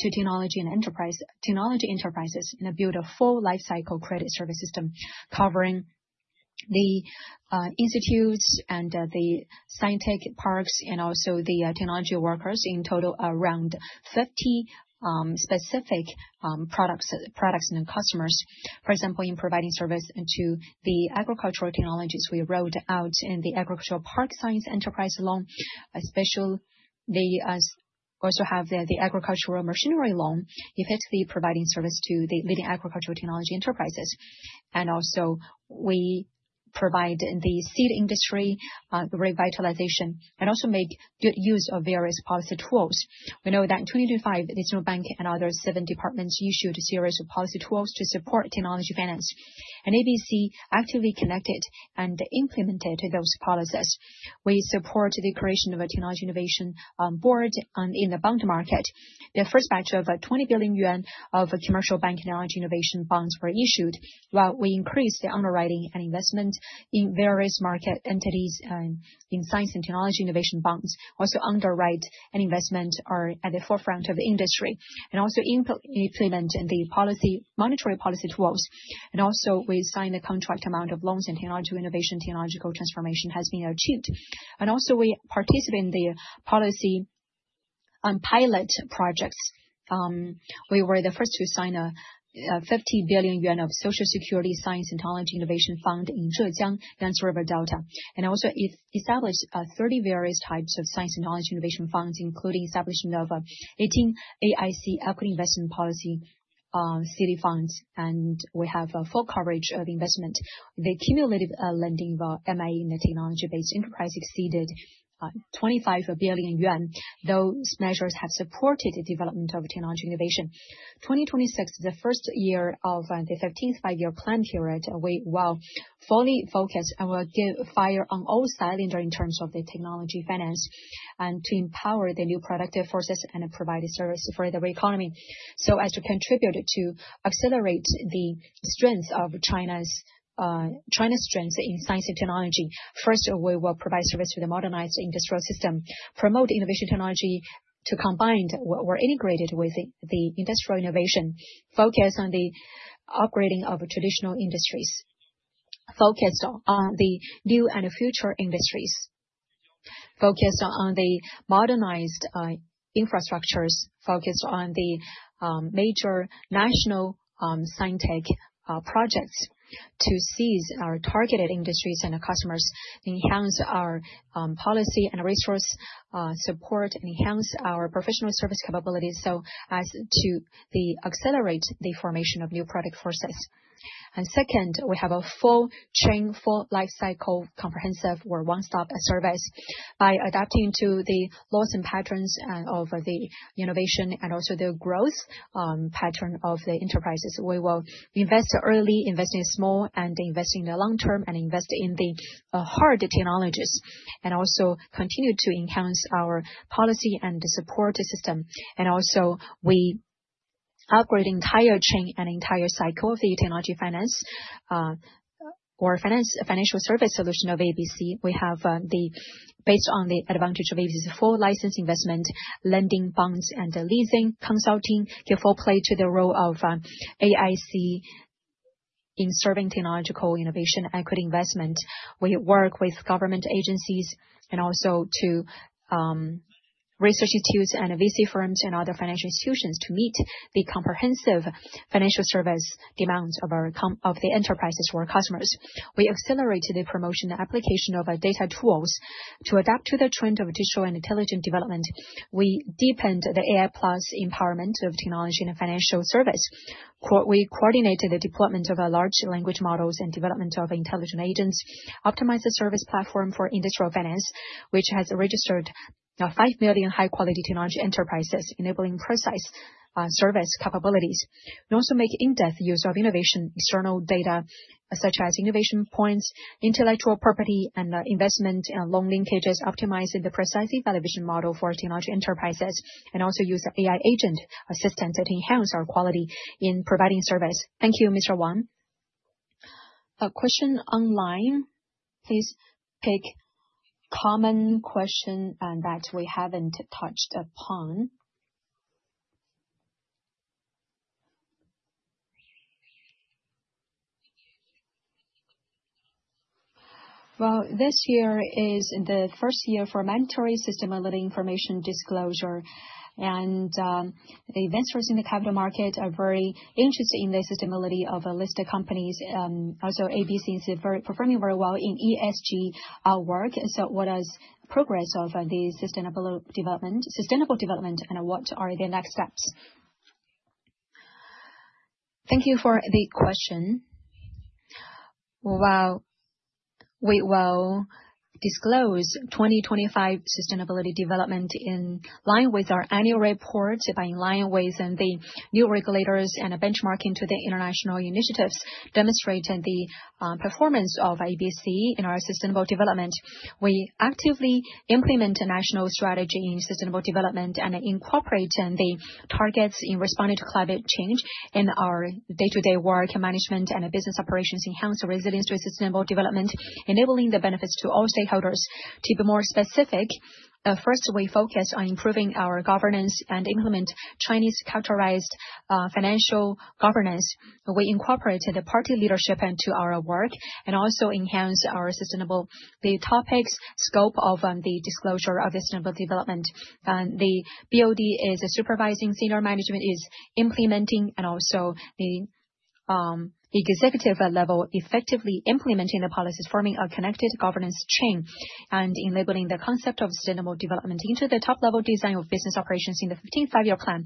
to technology enterprises, and build a full life cycle credit service system covering the institutes and the science parks and also the technology workers. In total, around 50 specific products and customers. For example, in providing service to the agricultural technologies, we rolled out the Agricultural Park Science Enterprise Loan. We also have the Agricultural Machinery Loan, effectively providing service to the leading agricultural technology enterprises. We provide the seed industry revitalization and also make good use of various policy tools. We know that in 2025, the Central Bank and other seven departments issued a series of policy tools to support technology finance. ABC actively connected and implemented those policies. We support the creation of a technology innovation board in the bond market. The first batch of 20 billion yuan of commercial bank technology innovation bonds were issued, while we increased the underwriting and investment in various market entities in science and technology innovation bonds. Underwrite and investment are at the forefront of the industry. Implement the policy monetary policy tools. We signed a contract amount of loans in technology innovation. Technological transformation has been achieved. We participate in the policy pilot projects. We were the first to sign a 50 billion yuan Social Security science and technology innovation fund in Zhejiang Yangtze River Delta, and also establish 30 various types of science and technology innovation funds, including establishing of 18 AIC equity investment policy city funds, and we have full coverage of investment. The cumulative lending to SMEs and the technology-based enterprise exceeded 25 billion yuan. Those measures have supported the development of technology innovation. 2026 is the first year of the 15th Five-Year Plan period. We will fully focus and will fire on all cylinders in terms of the technology finance and to empower the new productive forces and provide a service for the economy. To contribute to accelerate the strength of China's strength in science and technology, first, we will provide service to the modernized industrial system, promote innovation technology integrated with the industrial innovation, focus on the upgrading of traditional industries, focus on the new and future industries, focus on the modernized infrastructures, focus on the major national scientific projects to seize our targeted industries and our customers, enhance our policy and resource support, enhance our professional service capabilities so as to accelerate the formation of new productive forces. Second, we have a full chain, full lifecycle comprehensive or one-stop service. By adapting to the laws and patterns of the innovation and also the growth pattern of the enterprises, we will invest early, invest in small, and invest in the long term, and invest in the hard technologies, and also continue to enhance our policy and the support system. We upgrade entire chain and entire cycle of the technology finance or financial service solution of ABC. Based on the advantage of ABC's full license investment, lending, bonds, and leasing consulting give full play to the role of AIC in serving technological innovation and equity investment. We work with government agencies and research institutes and VC firms and other financial institutions to meet the comprehensive financial service demands of the enterprises who are customers. We accelerate the promotion application of our data tools. To adapt to the trend of digital and intelligent development, we deepened the AI plus empowerment of technology and financial service. We coordinated the deployment of our large language models and development of intelligent agents, optimized the service platform for industrial finance, which has registered five million high-quality technology enterprises, enabling precise service capabilities. We also make in-depth use of innovation external data such as innovation points, intellectual property, and investment and loan linkages, optimizing the precise valuation model for technology enterprises, and also use AI agent assistance that enhance our quality in providing service. Thank you, Mr. Wang. A question online, please pick common question that we haven't touched upon. Well, this year is the first year for mandatory sustainability information disclosure, and the investors in the capital market are very interested in the sustainability of listed companies. ABC is performing very well in ESG work. What is the progress of sustainable development, and what are the next steps? Thank you for the question. Well, we will disclose 2025 sustainability development in line with our annual report by in line with the new regulators and benchmarking to the international initiatives, demonstrating the performance of ABC in our sustainable development. We actively implement a national strategy in sustainable development and incorporating the targets in responding to climate change in our day-to-day work management and business operations enhance the resilience to sustainable development, enabling the benefits to all stakeholders. To be more specific, first, we focus on improving our governance and implement Chinese characterized financial governance. We incorporated the party leadership into our work and also enhanced our sustainable, the topics scope of the disclosure of sustainable development. The BOD is supervising, senior management is implementing, and also the executive level effectively implementing the policies, forming a connected governance chain and enabling the concept of sustainable development into the top-level design of business operations in the 15th Five-Year Plan,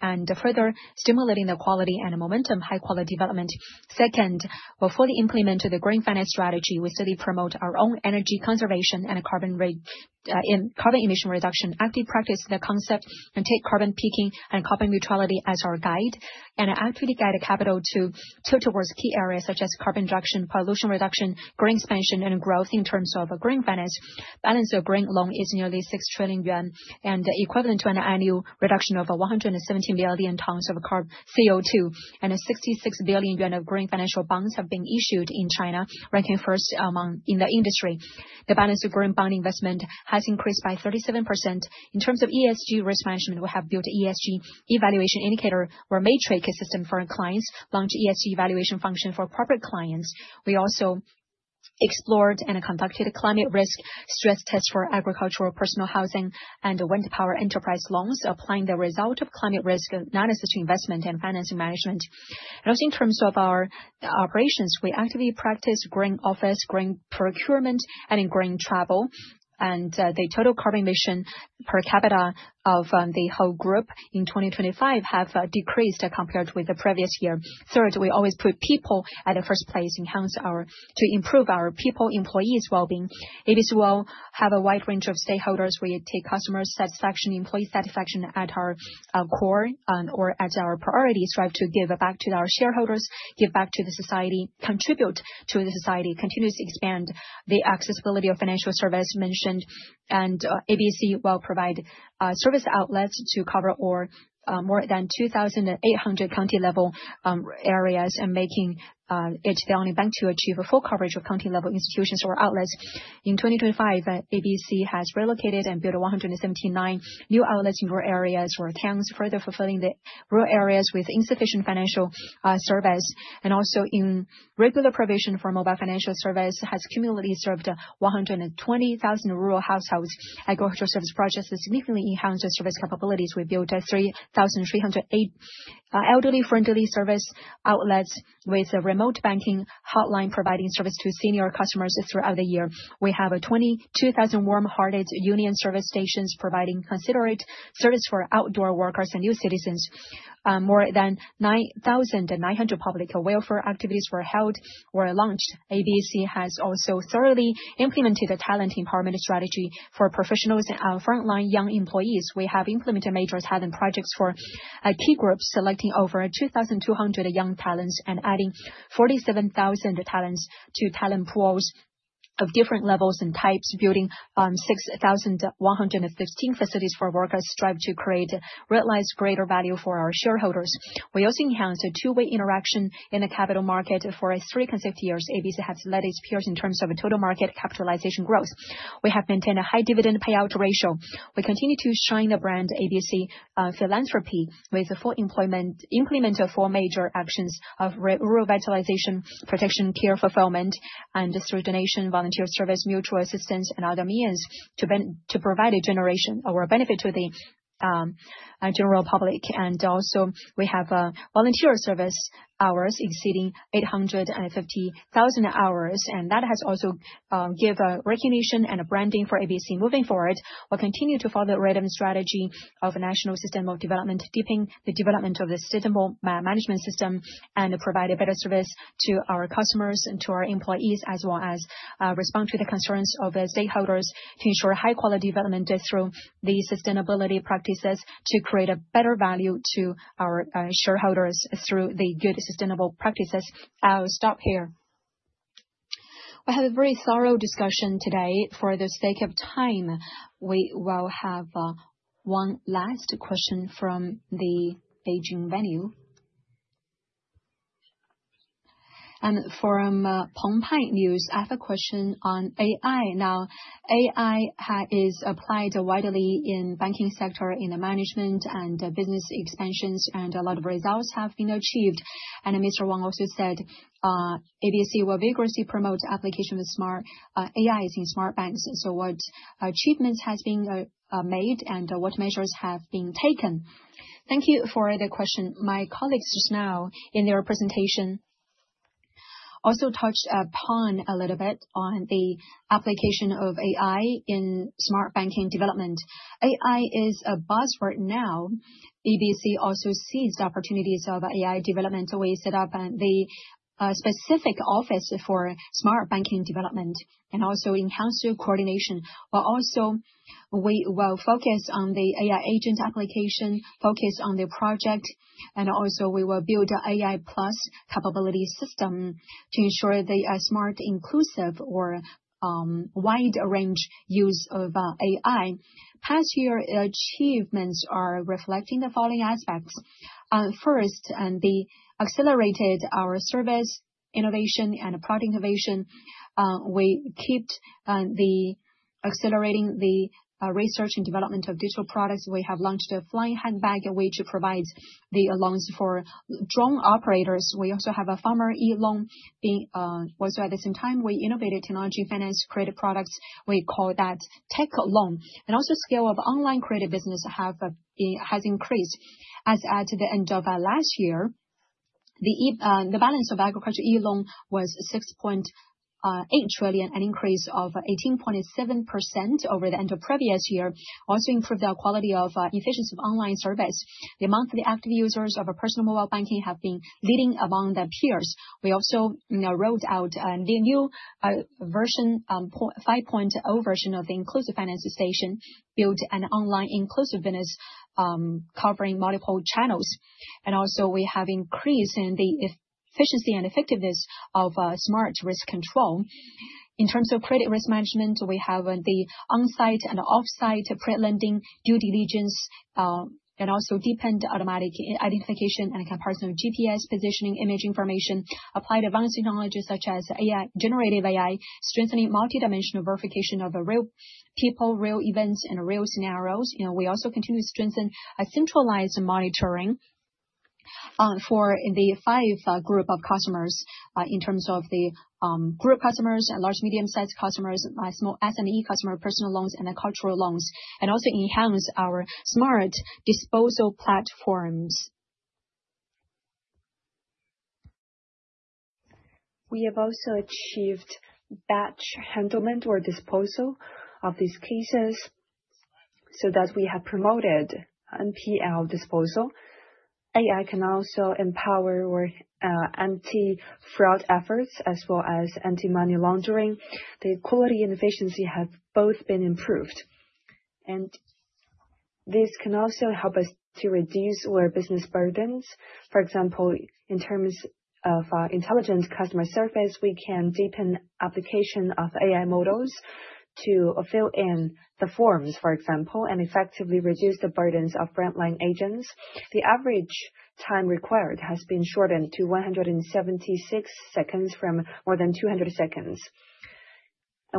and further stimulating the quality and the momentum high-quality development. Second, we'll fully implement the green finance strategy. We still promote our own energy conservation and carbon reduction, actively practice the concept, and take carbon peaking and carbon neutrality as our guide, and actively guide the capital to tilt towards key areas such as carbon reduction, pollution reduction, green expansion and growth in terms of green finance. Balance of green loan is nearly 6 trillion yuan and equivalent to an annual reduction of 117 billion tons of CO2, and 66 billion yuan of green financial bonds have been issued in China, ranking first in the industry. The balance of green bond investment has increased by 37%. In terms of ESG risk management, we have built ESG evaluation indicator and matrix system for our clients, launched ESG evaluation function for corporate clients. We also explored and conducted climate risk stress test for agricultural, personal housing, and wind power enterprise loans, applying the result of climate risk to such investment and financing management. In terms of our operations, we actively practice green office, green procurement, and green travel. The total carbon emission per capita of the whole group in 2025 have decreased compared with the previous year. Third, we always put people at the first place, to improve our people, employees' well-being. ABC will have a wide range of stakeholders. We take customer satisfaction, employee satisfaction at our core and/or as our priority, strive to give back to our shareholders, give back to the society, contribute to the society, continuously expand the accessibility of financial service mentioned. ABC will provide service outlets to cover or more than 2,800 county-level areas, and making it the only bank to achieve a full coverage of county-level institutions or outlets. In 2025, ABC has relocated and built 179 new outlets in rural areas or towns, further fulfilling the rural areas with insufficient financial service. Also in regular provision for mobile financial service has cumulatively served 120,000 rural households. Agricultural service projects has significantly enhanced the service capabilities. We built 3,308 elderly-friendly service outlets with a remote banking hotline providing service to senior customers throughout the year. We have 22,000 warm-hearted union service stations providing considerate service for outdoor workers and new citizens. More than 9,900 public welfare activities were held or launched. ABC has also thoroughly implemented a talent empowerment strategy for professionals and our frontline young employees. We have implemented major talent projects for key groups, selecting over 2,200 young talents and adding 47,000 talents to talent pools of different levels and types, building 6,115 facilities for workers, striving to create and realize greater value for our shareholders. We also enhanced a two-way interaction in the capital market. For three consecutive years, ABC has led its peers in terms of total market capitalization growth. We have maintained a high dividend payout ratio. We continue to shine the ABC brand through philanthropy with full implementation of four major actions of rural revitalization, protection, care, fulfillment, and through donation, volunteer service, mutual assistance, and other means to benefit the general public. We also have volunteer service hours exceeding 850,000 hours, and that has also give a recognition and a branding for ABC. Moving forward, we'll continue to follow the rhythm strategy of national system of development, deepening the development of the sustainable management system, and provide a better service to our customers and to our employees, as well as respond to the concerns of the stakeholders to ensure high quality development through the sustainability practices to create a better value to our shareholders through the good sustainable practices. I'll stop here. We had a very thorough discussion today. For the sake of time, we will have one last question from the Beijing venue. From Pengpai News, I have a question on AI. Now, AI is applied widely in banking sector, in the management and business expansions, and a lot of results have been achieved. Mr. Wang also said ABC will vigorously promote application with smart AIs in smart banks. What achievement has been made and what measures have been taken? Thank you for the question. My colleagues just now in their presentation also touched upon a little bit on the application of AI in Smart Banking development. AI is a buzzword now. ABC also sees opportunities of AI development, so we set up the specific office for Smart Banking development and also enhanced coordination. Also we will focus on the AI agent application, focus on the project, and also we will build AI plus capability system to ensure the smart, inclusive or wide range use of AI. Last year achievements reflect the following aspects. First, we accelerated our service innovation and product innovation. We kept accelerating the research and development of digital products. We have launched a flying handbag, a way to provide the loans for drone operators. We also have a Farmer e-Loan. Also at the same time, we innovated technology finance credit products. We call that Tech Loan. Scale of online credit business has increased. As at the end of last year, the balance of Agriculture e-Loan was 6.8 trillion, an increase of 18.7% over the end of previous year. Also improved our quality of efficiency of online service. The amount of the active users of personal mobile banking has been leading among the peers. We also, you know, rolled out the new 5.0 version of the inclusive finance application, built an online inclusive business covering multiple channels. We also have increased the efficiency and effectiveness of smart risk control. In terms of credit risk management, we have the on-site and off-site credit lending due diligence and also deepened automatic identification and comparison of GPS positioning image information. We applied advanced technologies such as AI, generative AI, strengthening multi-dimensional verification of real people, real events, and real scenarios. You know, we also continue to strengthen centralized monitoring. For the five groups of customers, in terms of the group customers and large- and medium-sized customers, small SME customers, personal loans, and agricultural loans, and also enhance our smart disposal platforms. We have also achieved batch handling or disposal of these cases so that we have promoted NPL disposal. AI can also empower our anti-fraud efforts as well as anti-money laundering. The quality and efficiency have both been improved. This can also help us to reduce our business burdens. For example, in terms of intelligent customer service, we can deepen application of AI models to fill in the forms, for example, and effectively reduce the burdens of frontline agents. The average time required has been shortened to 176 seconds from more than 200 seconds.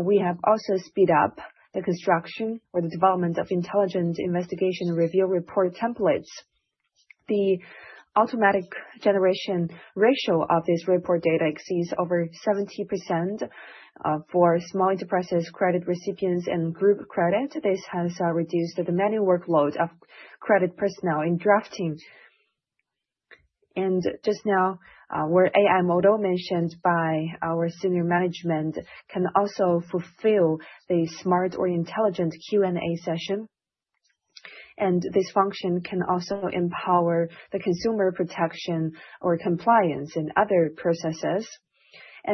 We have also sped up the construction or the development of intelligent investigation review report templates. The automatic generation ratio of this report data exceeds over 70%, for small enterprises, credit recipients and group credit. This has reduced the manual workload of credit personnel in drafting. Just now, the AI model mentioned by our senior management can also fulfill the smart or intelligent Q&A session. This function can also empower the consumer protection or compliance in other processes.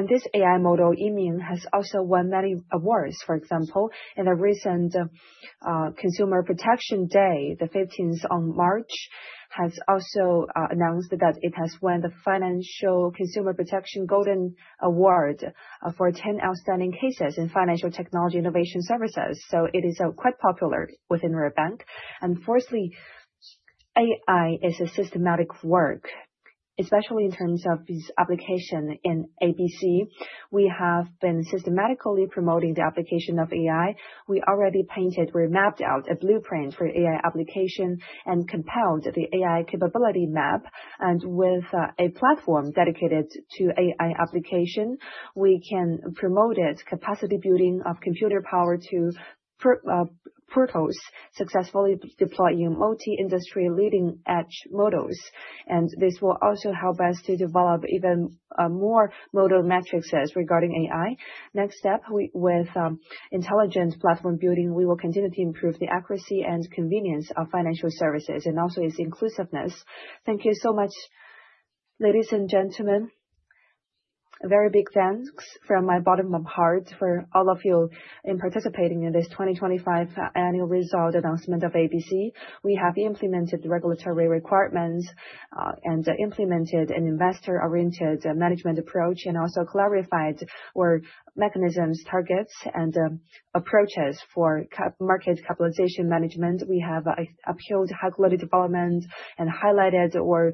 This AI model, Yiming, has also won many awards. For example, on the recent Consumer Protection Day, March 15, it has also announced that it has won the Financial Consumer Protection Golden Award for 10 outstanding cases in financial technology innovation services. It is quite popular within our bank. Fourthly, AI is a systematic work, especially in terms of its application in ABC. We have been systematically promoting the application of AI. We already painted or mapped out a blueprint for AI application and compiled the AI capability map. With a platform dedicated to AI application, we can promote its capacity building of computing power to portals, successfully deploying multi-industry leading edge models. This will also help us to develop even more model metrics regarding AI. Next step, with intelligence platform building, we will continue to improve the accuracy and convenience of financial services and also its inclusiveness. Thank you so much, ladies and gentlemen. A very big thanks from the bottom of my heart for all of you in participating in this 2025 annual results announcement of ABC. We have implemented the regulatory requirements and implemented an investor-oriented management approach, and also clarified our mechanisms, targets, and approaches for capital market capitalization management. We have upheld high-quality development and highlighted our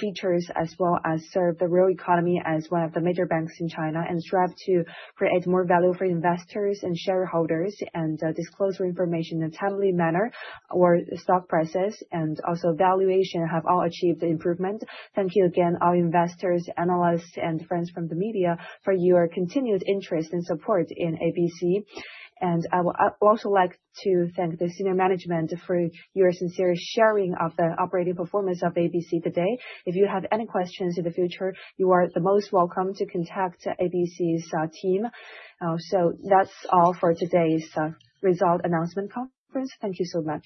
features as well as serve the real economy as one of the major banks in China and strive to create more value for investors and shareholders and disclose our information in a timely manner. Our stock prices and also valuation have all achieved improvement. Thank you again, all investors, analysts and friends from the media for your continued interest and support in ABC. I would also like to thank the senior management for your sincere sharing of the operating performance of ABC today. If you have any questions in the future, you are the most welcome to contact ABC's team. That's all for today's result announcement conference. Thank you so much.